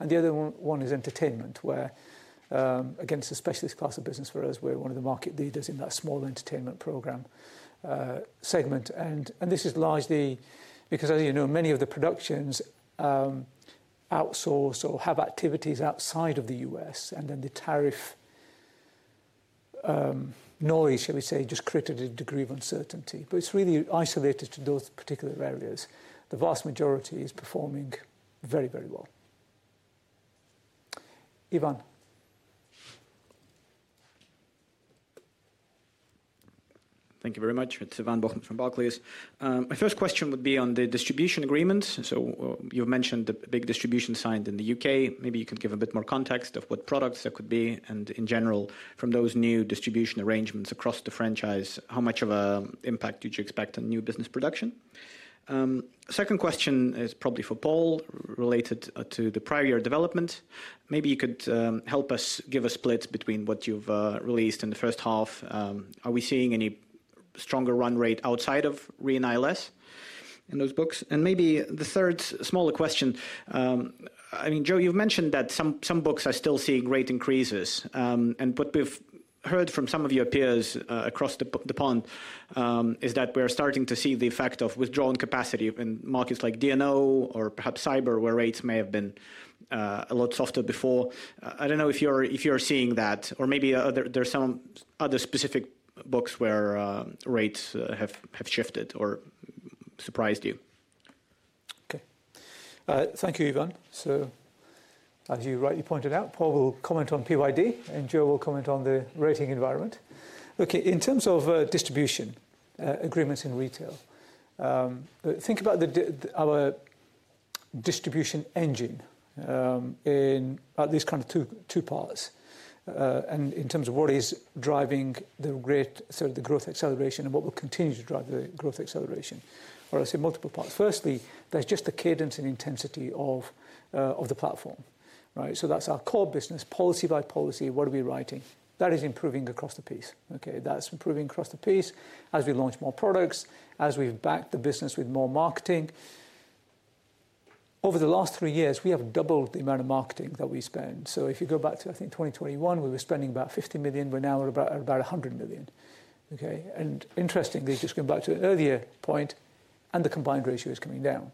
The other one is entertainment, where again, it's a specialist class of business for us. We're one of the market leaders in that small entertainment program segment. This is largely because many of the productions outsource or have activities outside of the U.S., and the tariff noise, shall we say, just created a degree of uncertainty, but it's really isolated to those particular areas. The vast majority is performing very, very well. Ivan? Thank you very much. It's Ivan Bokhmat from Barclays. My first question would be on the distribution agreements. You mentioned the big distribution sign in the U.K. Maybe you could give a bit more context of what products that could be and in general from those new distribution arrangements across the franchise. How much of an impact did you expect on new business production? Second question is probably for Paul related to the prior year development. Maybe you could help us give a split between what you've released in the first half. Are we seeing any stronger run rate outside of Re & ILS in those books? Maybe the third smaller question. Jo, you've mentioned that some books are still seeing rate increases. What we've heard from some of your peers across the pond is that we are starting to see the effect of withdrawing capacity in markets like D&O or perhaps cyber, where rates may have been a lot softer before. I don't know if you're seeing that or maybe there's some other specific books where rates have shifted or surprised you. Okay, thank you, Ivan. As you rightly pointed out, Paul will comment on PYD and Jo will comment on the rating environment. In terms of distribution agreements in retail, think about our distribution engine in at least kind of two parts. In terms of what is driving the rate, the growth acceleration and what will continue to drive the growth acceleration, I say multiple parts. Firstly, there's just the cadence and intensity of the platform. That's our core business policy. By policy, what are we writing? That is improving across the piece. That's improving across the piece. As we launch more products, as we've backed the business with more marketing over the last three years, we have doubled the amount of marketing that we spend. If you go back to, I think, 2021, we were spending about $50 million. We're now at about $100 million. Interestingly, just going back to an earlier point, and the combined ratio is coming down,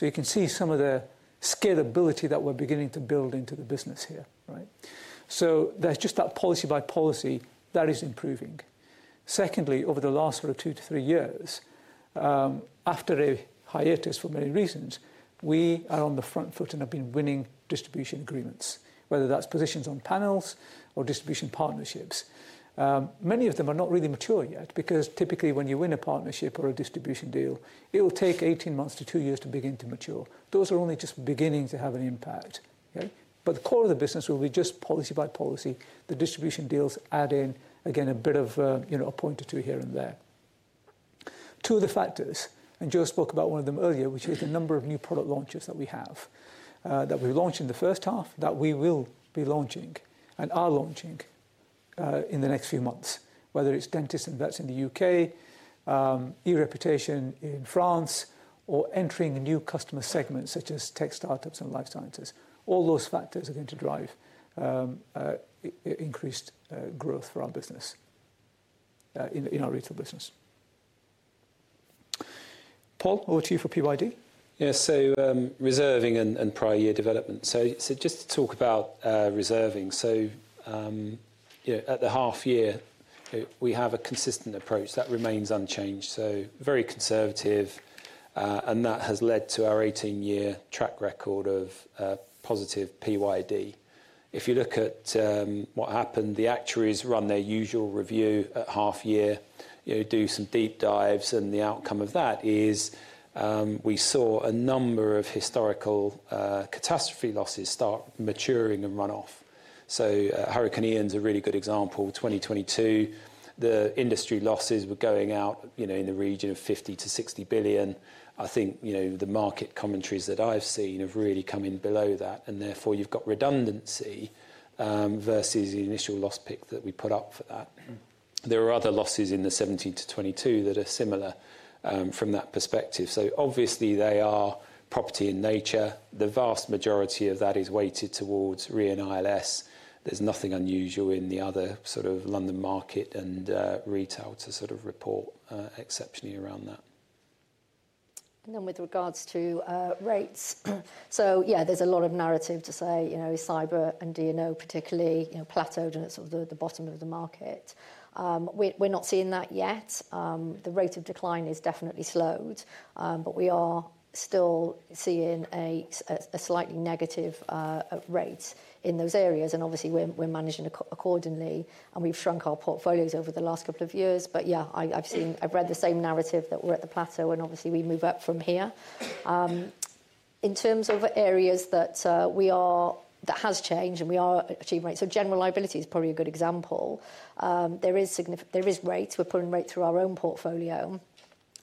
you can see some of the scalability that we're beginning to build into the business here. There's just that policy by policy that is improving. Secondly, over the last sort of two to three years after a hiatus, for many reasons, we are on the front foot and have been winning distribution agreements, whether that's positions on panels or distribution partnerships. Many of them are not really mature yet because typically when you win a partnership or a distribution deal, it will take 18 months to two years to begin to mature. Those are only just beginning to have an impact. The core of the business will be just policy by policy. The distribution deals add in, again, a bit of a point or two here and there. Two of the factors, and Jo spoke about one of them earlier, which is the number of new product launches that we have, that we launched in the first half, that we will be launching and are launching in the next few months, whether it's dentists and vets in the U.K., e-reputation in France, or entering new customer segments such as tech startups and life scientists, all those factors are going to drive increased growth for our business, in our retail business. Paul, over to you for PYD. Yeah, so reserving and prior year development. Just to talk about reserving. At the half year we have a consistent approach that remains unchanged. Very conservative and that has led to our 18 year track record of positive PYD. If you look at what happened, the actuaries run their usual review. At half year you do some deep dives and the outcome of that is we saw a number of historical catastrophe losses start maturing and run off. Hurricane Ian's a really good example. In 2022 the industry losses were going out in the region of $50 billion-$60 billion. I think the market commentaries that I've seen have really come in that and therefore you've got redundancy versus the initial loss pick that we put up for that. There are other losses in the 2017 to 2022 that are similar from that perspective. Obviously they are property in nature. The vast majority of that is weighted towards Re & ILS. There's nothing unusual in the other sort of London Market and retail to sort of report exceptionally around that. With regards to rates. Yeah, there's a lot of narrative to say cyber and D&O particularly plateaued and it's the bottom of the market. We're not seeing that yet. The rate of decline has definitely slowed, but we are still seeing a slightly negative rate in those areas and obviously we're managing accordingly and we've shrunk our portfolios over the last couple of years. I've read the same narrative that we're at the plateau and obviously we move up from here. In terms of areas that has changed and we are achieving rates, general liability is probably a good example. There is rates, we're putting rate through our own portfolio.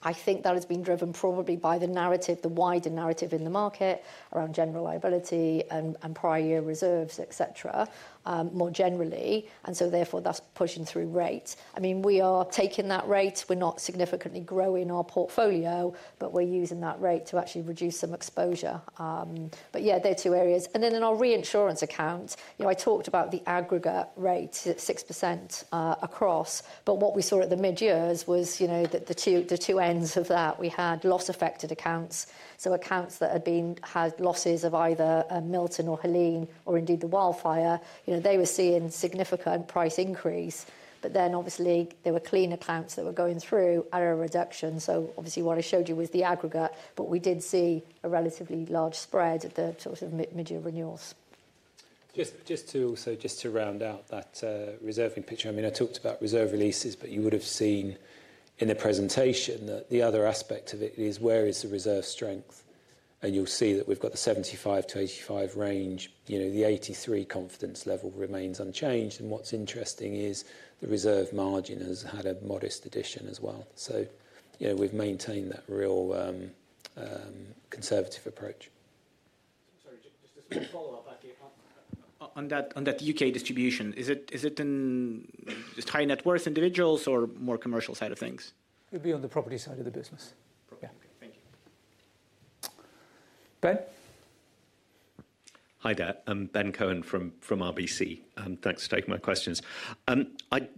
I think that has been driven probably by the narrative, the wider narrative in the market around general liability and prior year reserves, et cetera, more generally. Therefore, that's pushing through rates. We are taking that rate, we're not significantly growing our portfolio, but we're using that rate to actually reduce some exposure. They're two areas. In our reinsurance account, I talked about the aggregate rate at 6% across. What we saw at the mid years was the two ends of that. We had loss affected accounts, so accounts that had been had losses of either Milton or Helene or indeed the Wildfire, they were seeing significant price increase, but then there were clean accounts that were going through at a reduction. What I showed you was the aggregate. We did see a relatively large spread at the sort of mid-year renewals. Just to round out that reserve picture. I talked about reserve releases, but you would have seen in the presentation that the other aspect of it is where is the reserve strength? You'll see that we've got the 75%-85% range. The 83% confidence level remains unchanged. What's interesting is the reserve margin has had a modest addition as well. We've maintained that real conservative approach. Sorry, just a follow up on that. U.K. distribution, is it in high net worth individuals or more commercial side of things? It'd be on the property side of the business. Okay, thank you. Ben? Hi there, I'm Ben Cohen from RBC. Thanks for taking my questions. I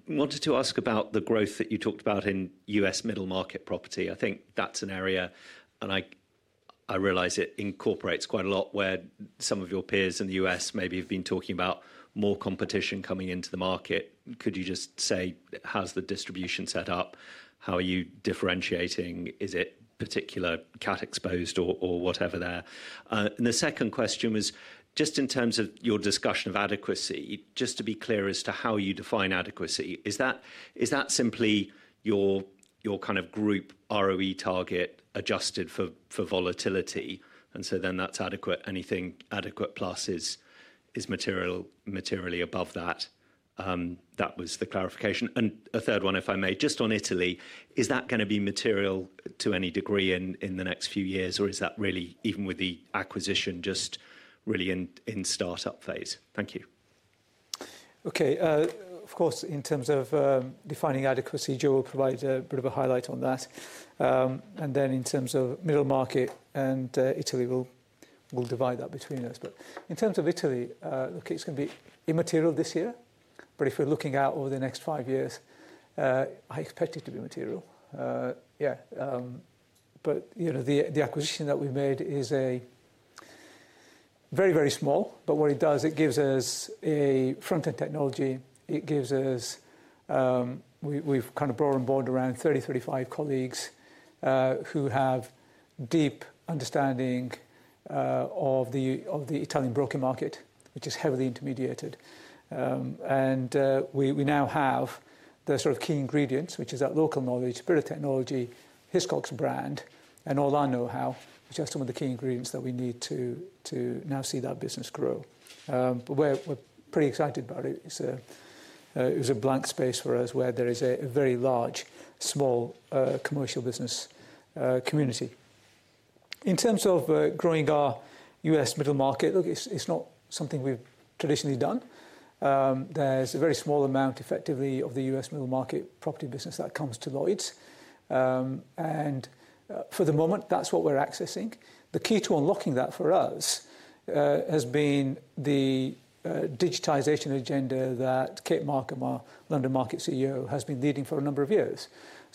wanted to ask about the growth that you talked about in U.S. middle market property. I think that's an area, and I realize it incorporates quite a lot, where some of your peers in the U.S. maybe have been talking about more competition coming into the market. Could you just say how's the distribution set up? How are you differentiating, is it particular cat exposed or whatever there? The second question was just in terms of your discussion of adequacy, just to be clear as to how you define adequacy, is that simply your kind of group ROE target adjusted for volatility and so then that's adequate. Anything adequate plus is materially above that. That was the clarification. A third one, if I may. Just on Italy, is that going to be material to any degree in the next few years or is that really, even with the acquisition, just really in startup phase? Thank you. Okay. Of course, in terms of defining adequacy, Jo will provide a bit of a highlight on that, and then in terms of middle market and Italy, we will divide that between us. In terms of Italy, it's going to be immaterial this year, but if you're looking out over the next five years, I expect it to be material. The acquisition that we made is very, very small, but what it does is it gives us a front-end technology. We've brought on board around 30-35 colleagues who have deep understanding of the Italian broker market, which is heavily intermediated, and we now have the sort of key ingredients, which is that local knowledge, a bit of technology, the Hiscox brand, and all our know-how, which are some of the key ingredients that we need to now see that business grow. We're pretty excited about it. It's a blank space for us where there is a very large small commercial business community. In terms of growing our U.S. middle market, it's not something we've traditionally done. There's a very small amount, effectively, of the U.S. middle market property business that comes to Lloyd's, and for the moment, that's what we're accessing. The key to unlocking that for us has been the digitization agenda that Kate Markham, our London Market CEO, has been leading for a number of years.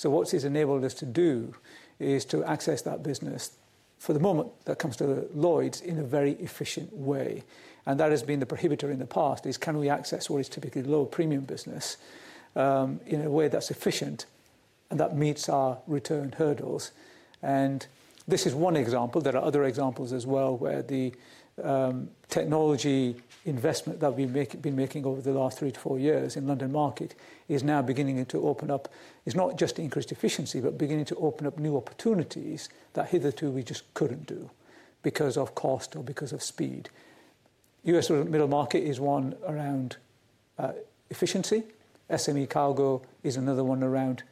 What that has enabled us to do is to access that business for the moment that comes to Lloyd's in a very efficient way, and that has been the prohibitor in the past—can we access what is typically low premium business in a way that's efficient and that meets our return hurdles. This is one example; there are other examples as well where the technology investment that we've been making over the last three to four years in London Market is now beginning to open up. It's not just increased efficiency, but beginning to open up new opportunities that hitherto we just couldn't do because of cost or because of speed. U.S. middle market is one around efficiency. SME cargo is another one around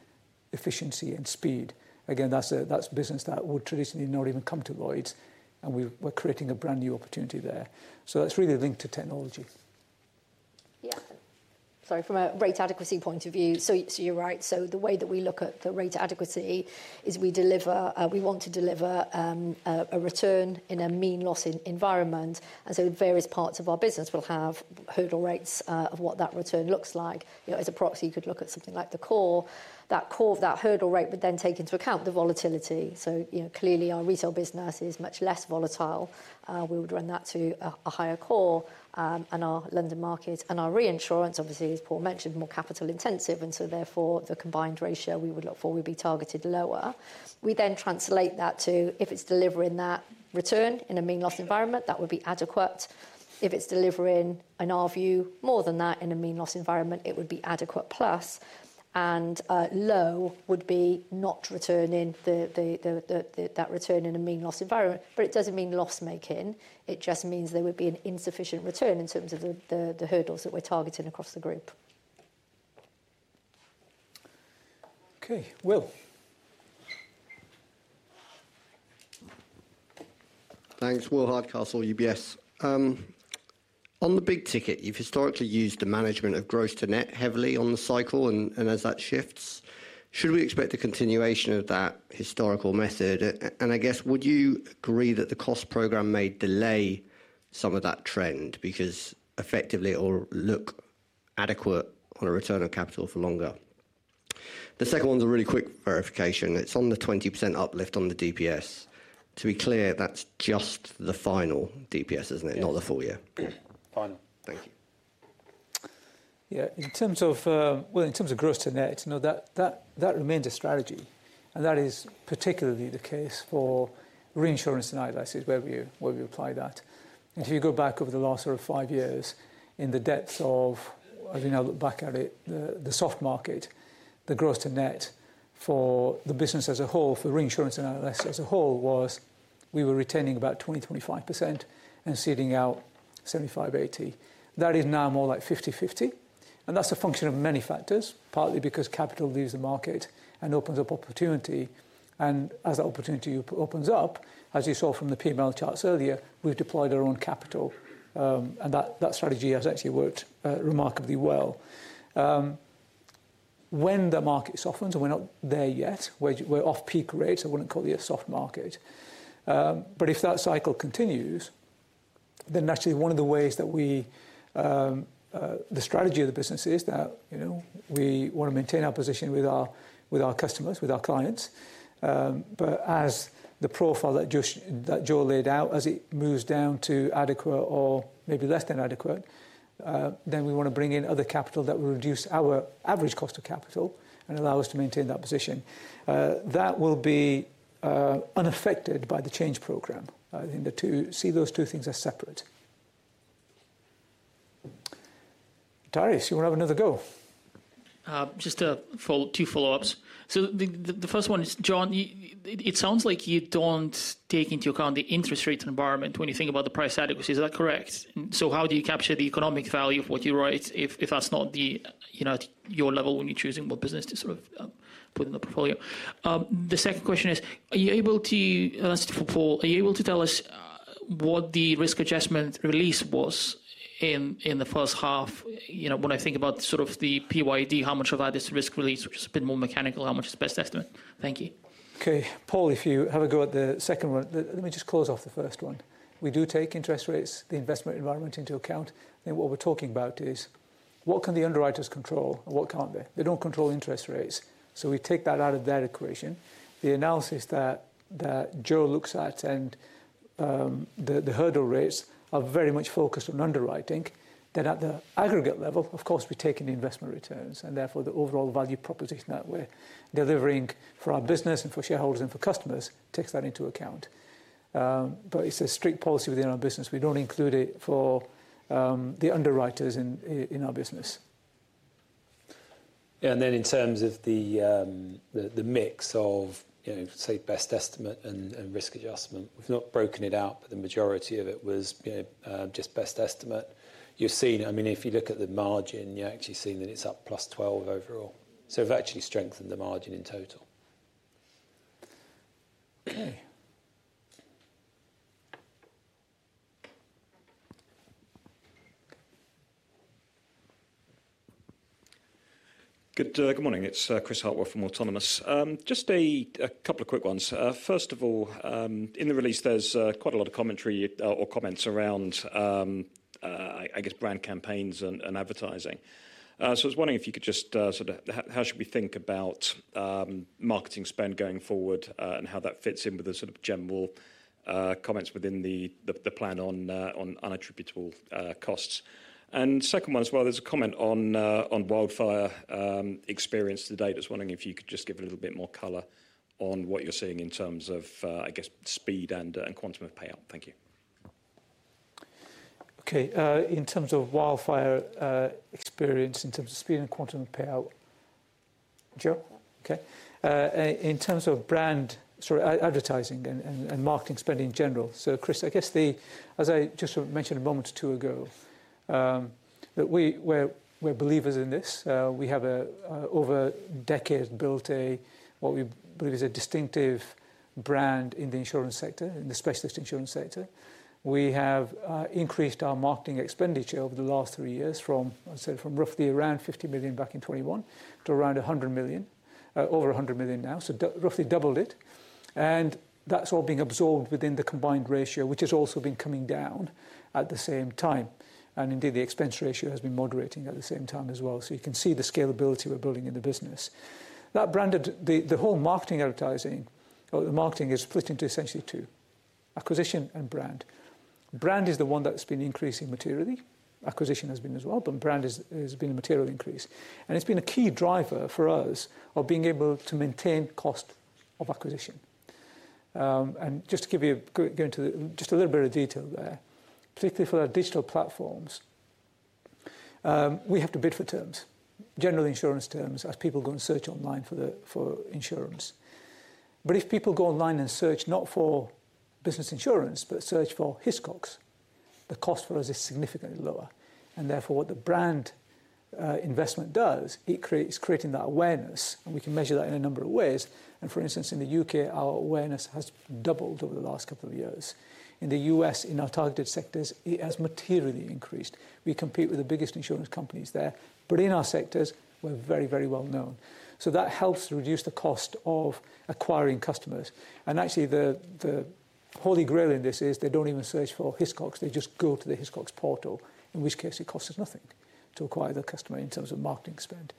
efficiency and speed. Again, that's business that would traditionally not even come to Lloyd's, and we're creating a brand new opportunity there. That's really linked to technology. Yeah. From a rate adequacy point of view, you're right. The way that we look at the rate adequacy is we want to deliver a return in a mean loss environment. Various parts of our business will have hurdle rates of what that return looks like. As a proxy, you could look at something like the core. That core of that hurdle rate would then take into account the volatility. Clearly, our retail business is much less volatile. We would run that to a higher core, and our London Market and our reinsurance, obviously, as Paul mentioned, are more capital intensive. Therefore, the combined ratio we would look for would be targeted lower. We then translate that to if it's delivering that return in a mean loss environment, that would be adequate. If it's delivering an RV more than that in a mean loss environment, it would be adequate plus, and low would be not returning that return in a mean loss environment. It doesn't mean loss making. It just means there would be an insufficient return in terms of the hurdles that we're targeting across the group. Okay, Will? Will Hardcastle, UBS. On the big ticket, you've historically used the management of gross to net heavily on the cycle. As that shifts, should we expect a continuation of that historical method? Would you agree that the cost program may delay some of that trend because effectively it will look adequate on a return of capital for longer? The second one's a really quick verification. It's on the 20% uplift on the DPS. To be clear, that's just the final DPS, isn't it? Not the full year. Thank you. Yeah. In terms of gross to net, that remains a strategy. That is particularly the case for reinsurance and ILS is where we apply that. If you go back over the last five years, as you know, look back at it, the soft market, the gross to net for the business as a whole, for reinsurance and ILS as a whole, was we were retaining about 20%, 25% and ceding out 75%, 80%. That is now more like 50/50. That's a function of many factors, partly because capital leaves the market and opens up opportunity. As that opportunity opens up, as you saw from the PML charts earlier, we've deployed our own capital and that strategy has actually worked remarkably well. When the market softens—we're not there yet, we're off peak rates—I wouldn't call it a soft market, but if that cycle continues, then naturally one of the ways that we, the strategy of the business is that, you know, we want to maintain our position with our customers, with our clients. As the profile that just that Jo laid out, as it moves down to adequate or maybe less than adequate, then we want to bring in other capital that we reduce out our average cost of capital and allow us to maintain that position. That will be unaffected by the Accelerated Change Program. I think the two, see those two things as separate. Darius, you want to have another go? Just two follow ups. The first one is, Joanne, it sounds like you don't take into account the interest rate environment when you think about the rate adequacy. Is that correct? How do you capture the economic value of what you write if that's not at your level when you're choosing what business to put in the portfolio? The second question is, are you able to tell us what the risk adjustment release was in the first half? When I think about the PYD, how much of that is risk release, which is a bit more mechanical, and how much is the best estimate? Thank you. Okay, Paul, if you have a go at the second one, let me just close off the first one. We do take interest rates, the investment environment, into account. What we're talking about is what can the underwriters control? What can't they? They don't control interest rates. We take that out of their equation. The analysis that Jo looks at and the hurdle rates are very much focused on underwriting. At the aggregate level, of course, we take in investment returns and therefore the overall value proposition that we're delivering for our business and for shareholders and for customers takes that into account. It's a strict policy within our business. We don't include it for the underwriters in our business. In terms of the mix of, say, best estimate and risk adjustment, we've not broken it out, but the majority of it was just best estimate you've seen. If you look at the margin, you actually see that it's up +12 overall. We've actually strengthened the margin in total. Good morning. It's Chris Hartwell from Autonomous. Just a couple of quick ones. First of all, in the release, there's quite a lot of commentary or comments around, I guess, brand campaigns and advertising. I was wondering if you could just sort of how should we think about marketing spend going forward and how that fits in with the sort of general comments within the plan on unattributable costs. Second one as well, there's a comment on wildfire experience today. Just wondering if you could just give a little bit more color on what you're seeing in terms of, I guess, speed and quantum of payout. Thank you. Okay. In terms of wildfire experience, in terms of speed and quantum payout. Jo. In terms of brand, sorry, advertising and marketing spending in general. Chris, I guess as I just mentioned a moment or two ago, we're believers in this. We have over decades built what we believe is a distinctive brand in the insurance sector, in the specialist insurance sector. We have increased our marketing expenditure over the last three years from roughly around $50 million back in 2021 to around $100 million, over $100 million now, so roughly doubled it. That's all being absorbed within the combined ratio, which has also been coming down at the same time. Indeed, the expense ratio has been moderating at the same time as well. You can see the scalability we're building in the business. The whole marketing, advertising, or the marketing is split into essentially two: acquisition and brand. Brand is the one that's been increasing materially. Acquisition has been as well, but brand has been a material increase and it's been a key driver for us of being able to maintain cost of acquisition. Just to go into a little bit of detail, particularly for our digital platforms, we have to bid for terms, general insurance terms, as people go and search online for insurance. If people go online and search not for business insurance, but search for Hiscox, the cost for us is significantly lower. Therefore, what the brand investment does is create that awareness, and we can measure that in a number of ways. For instance, in the U.K., our awareness has doubled over the last couple of years. In the U.S., in our targeted sectors, it has materially increased. We compete with the biggest insurance companies there, but in our sectors we're very, very well known, so that helps reduce the cost of acquiring customers. Actually, the holy grail in this is they don't even search for Hiscox, they just go to the Hiscox portal, in which case it costs us nothing to acquire the customer. In terms of marketing spend,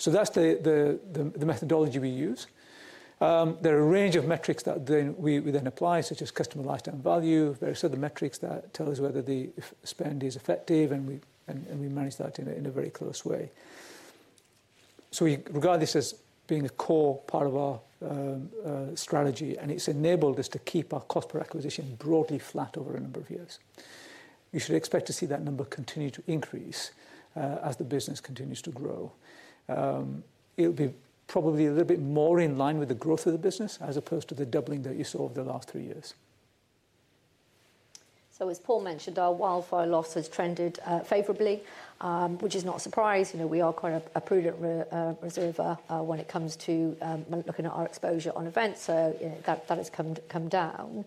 that's the methodology we use. There are a range of metrics that we then apply, such as customer lifetime value and various other metrics that tell us whether the spend is effective, and we manage that in a very close way. We regard this as being a core part of our strategy and it's enabled us to keep our cost per acquisition broadly flat over a number of years. We should expect to see that number continue to increase as the business continues to grow. It'll be probably a little bit more in line with the growth of the business as opposed to the doubling that you saw over the last three years. As Paul mentioned, our wildfire loss has trended favorably, which is not a surprise. We are quite a prudent reserver when it comes to looking at our exposure on events. That has come down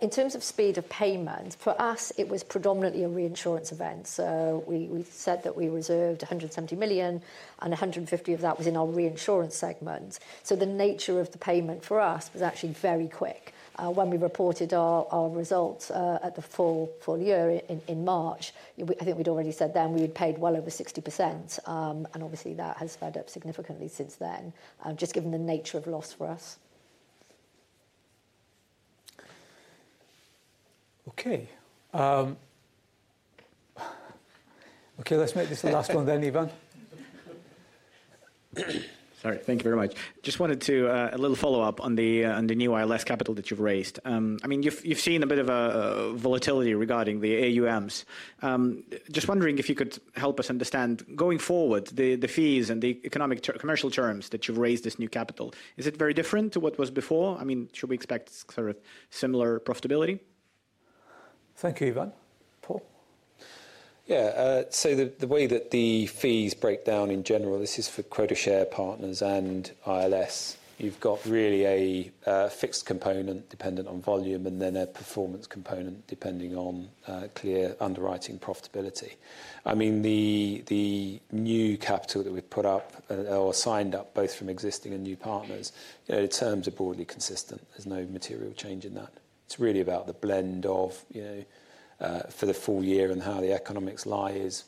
in terms of speed of payments. For us, it was predominantly a reinsurance event. We said that we reserved $170 million and $150 million of that was in our reinsurance segment. The nature of the payment for us was actually very quick. When we reported our results at the full year in March, I think we'd already said then we had paid well over 60% and obviously that has sped up significantly since then, just given the nature of loss for us. Okay, let's make this the last one then. Ivan? Thank you very much. Just wanted to follow up on the new ILS capital that you've raised. You've seen a bit of volatility regarding the AUMs. Just wondering if you could help us understand going forward the fees and the economic commercial terms that you've raised this new capital. Is it very different to what was before? Should we expect sort of similar profitability? Thank you, Ivan. Paul? Yeah. The way that the fees break down in general, this is for quota share partners and ILS. You've got really a fixed component dependent on volume and then a performance component depending on clear underwriting profitability. The new capital that we've put up or signed up both from existing and new partners, the terms are broadly consistent. There's no material change in that. It's really about the blend for the full year and how the economics lie is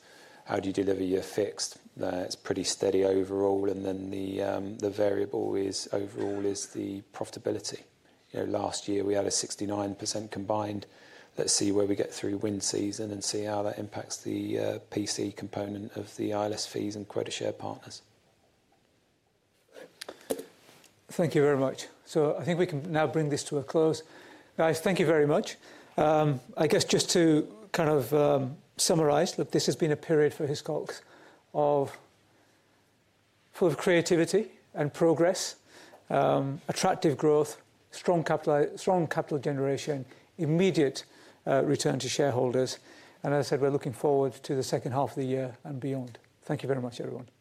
how do you deliver your fixed. It's pretty steady overall, and then the variable overall is the profitability. Last year we had a 69% combined. Let's see where we get through win season and see how that impacts the PC component of the ILS fees and quota share partners. Thank you very much. I think we can now bring this to a close, guys. Thank you very much. I guess just to kind of summarize, this has been a period for Hiscox of full creativity and progress, attractive growth, strong capital generation, immediate return to shareholders. As I said, we're looking forward to the second half of the year and beyond. Thank you very much, everyone. Cheers.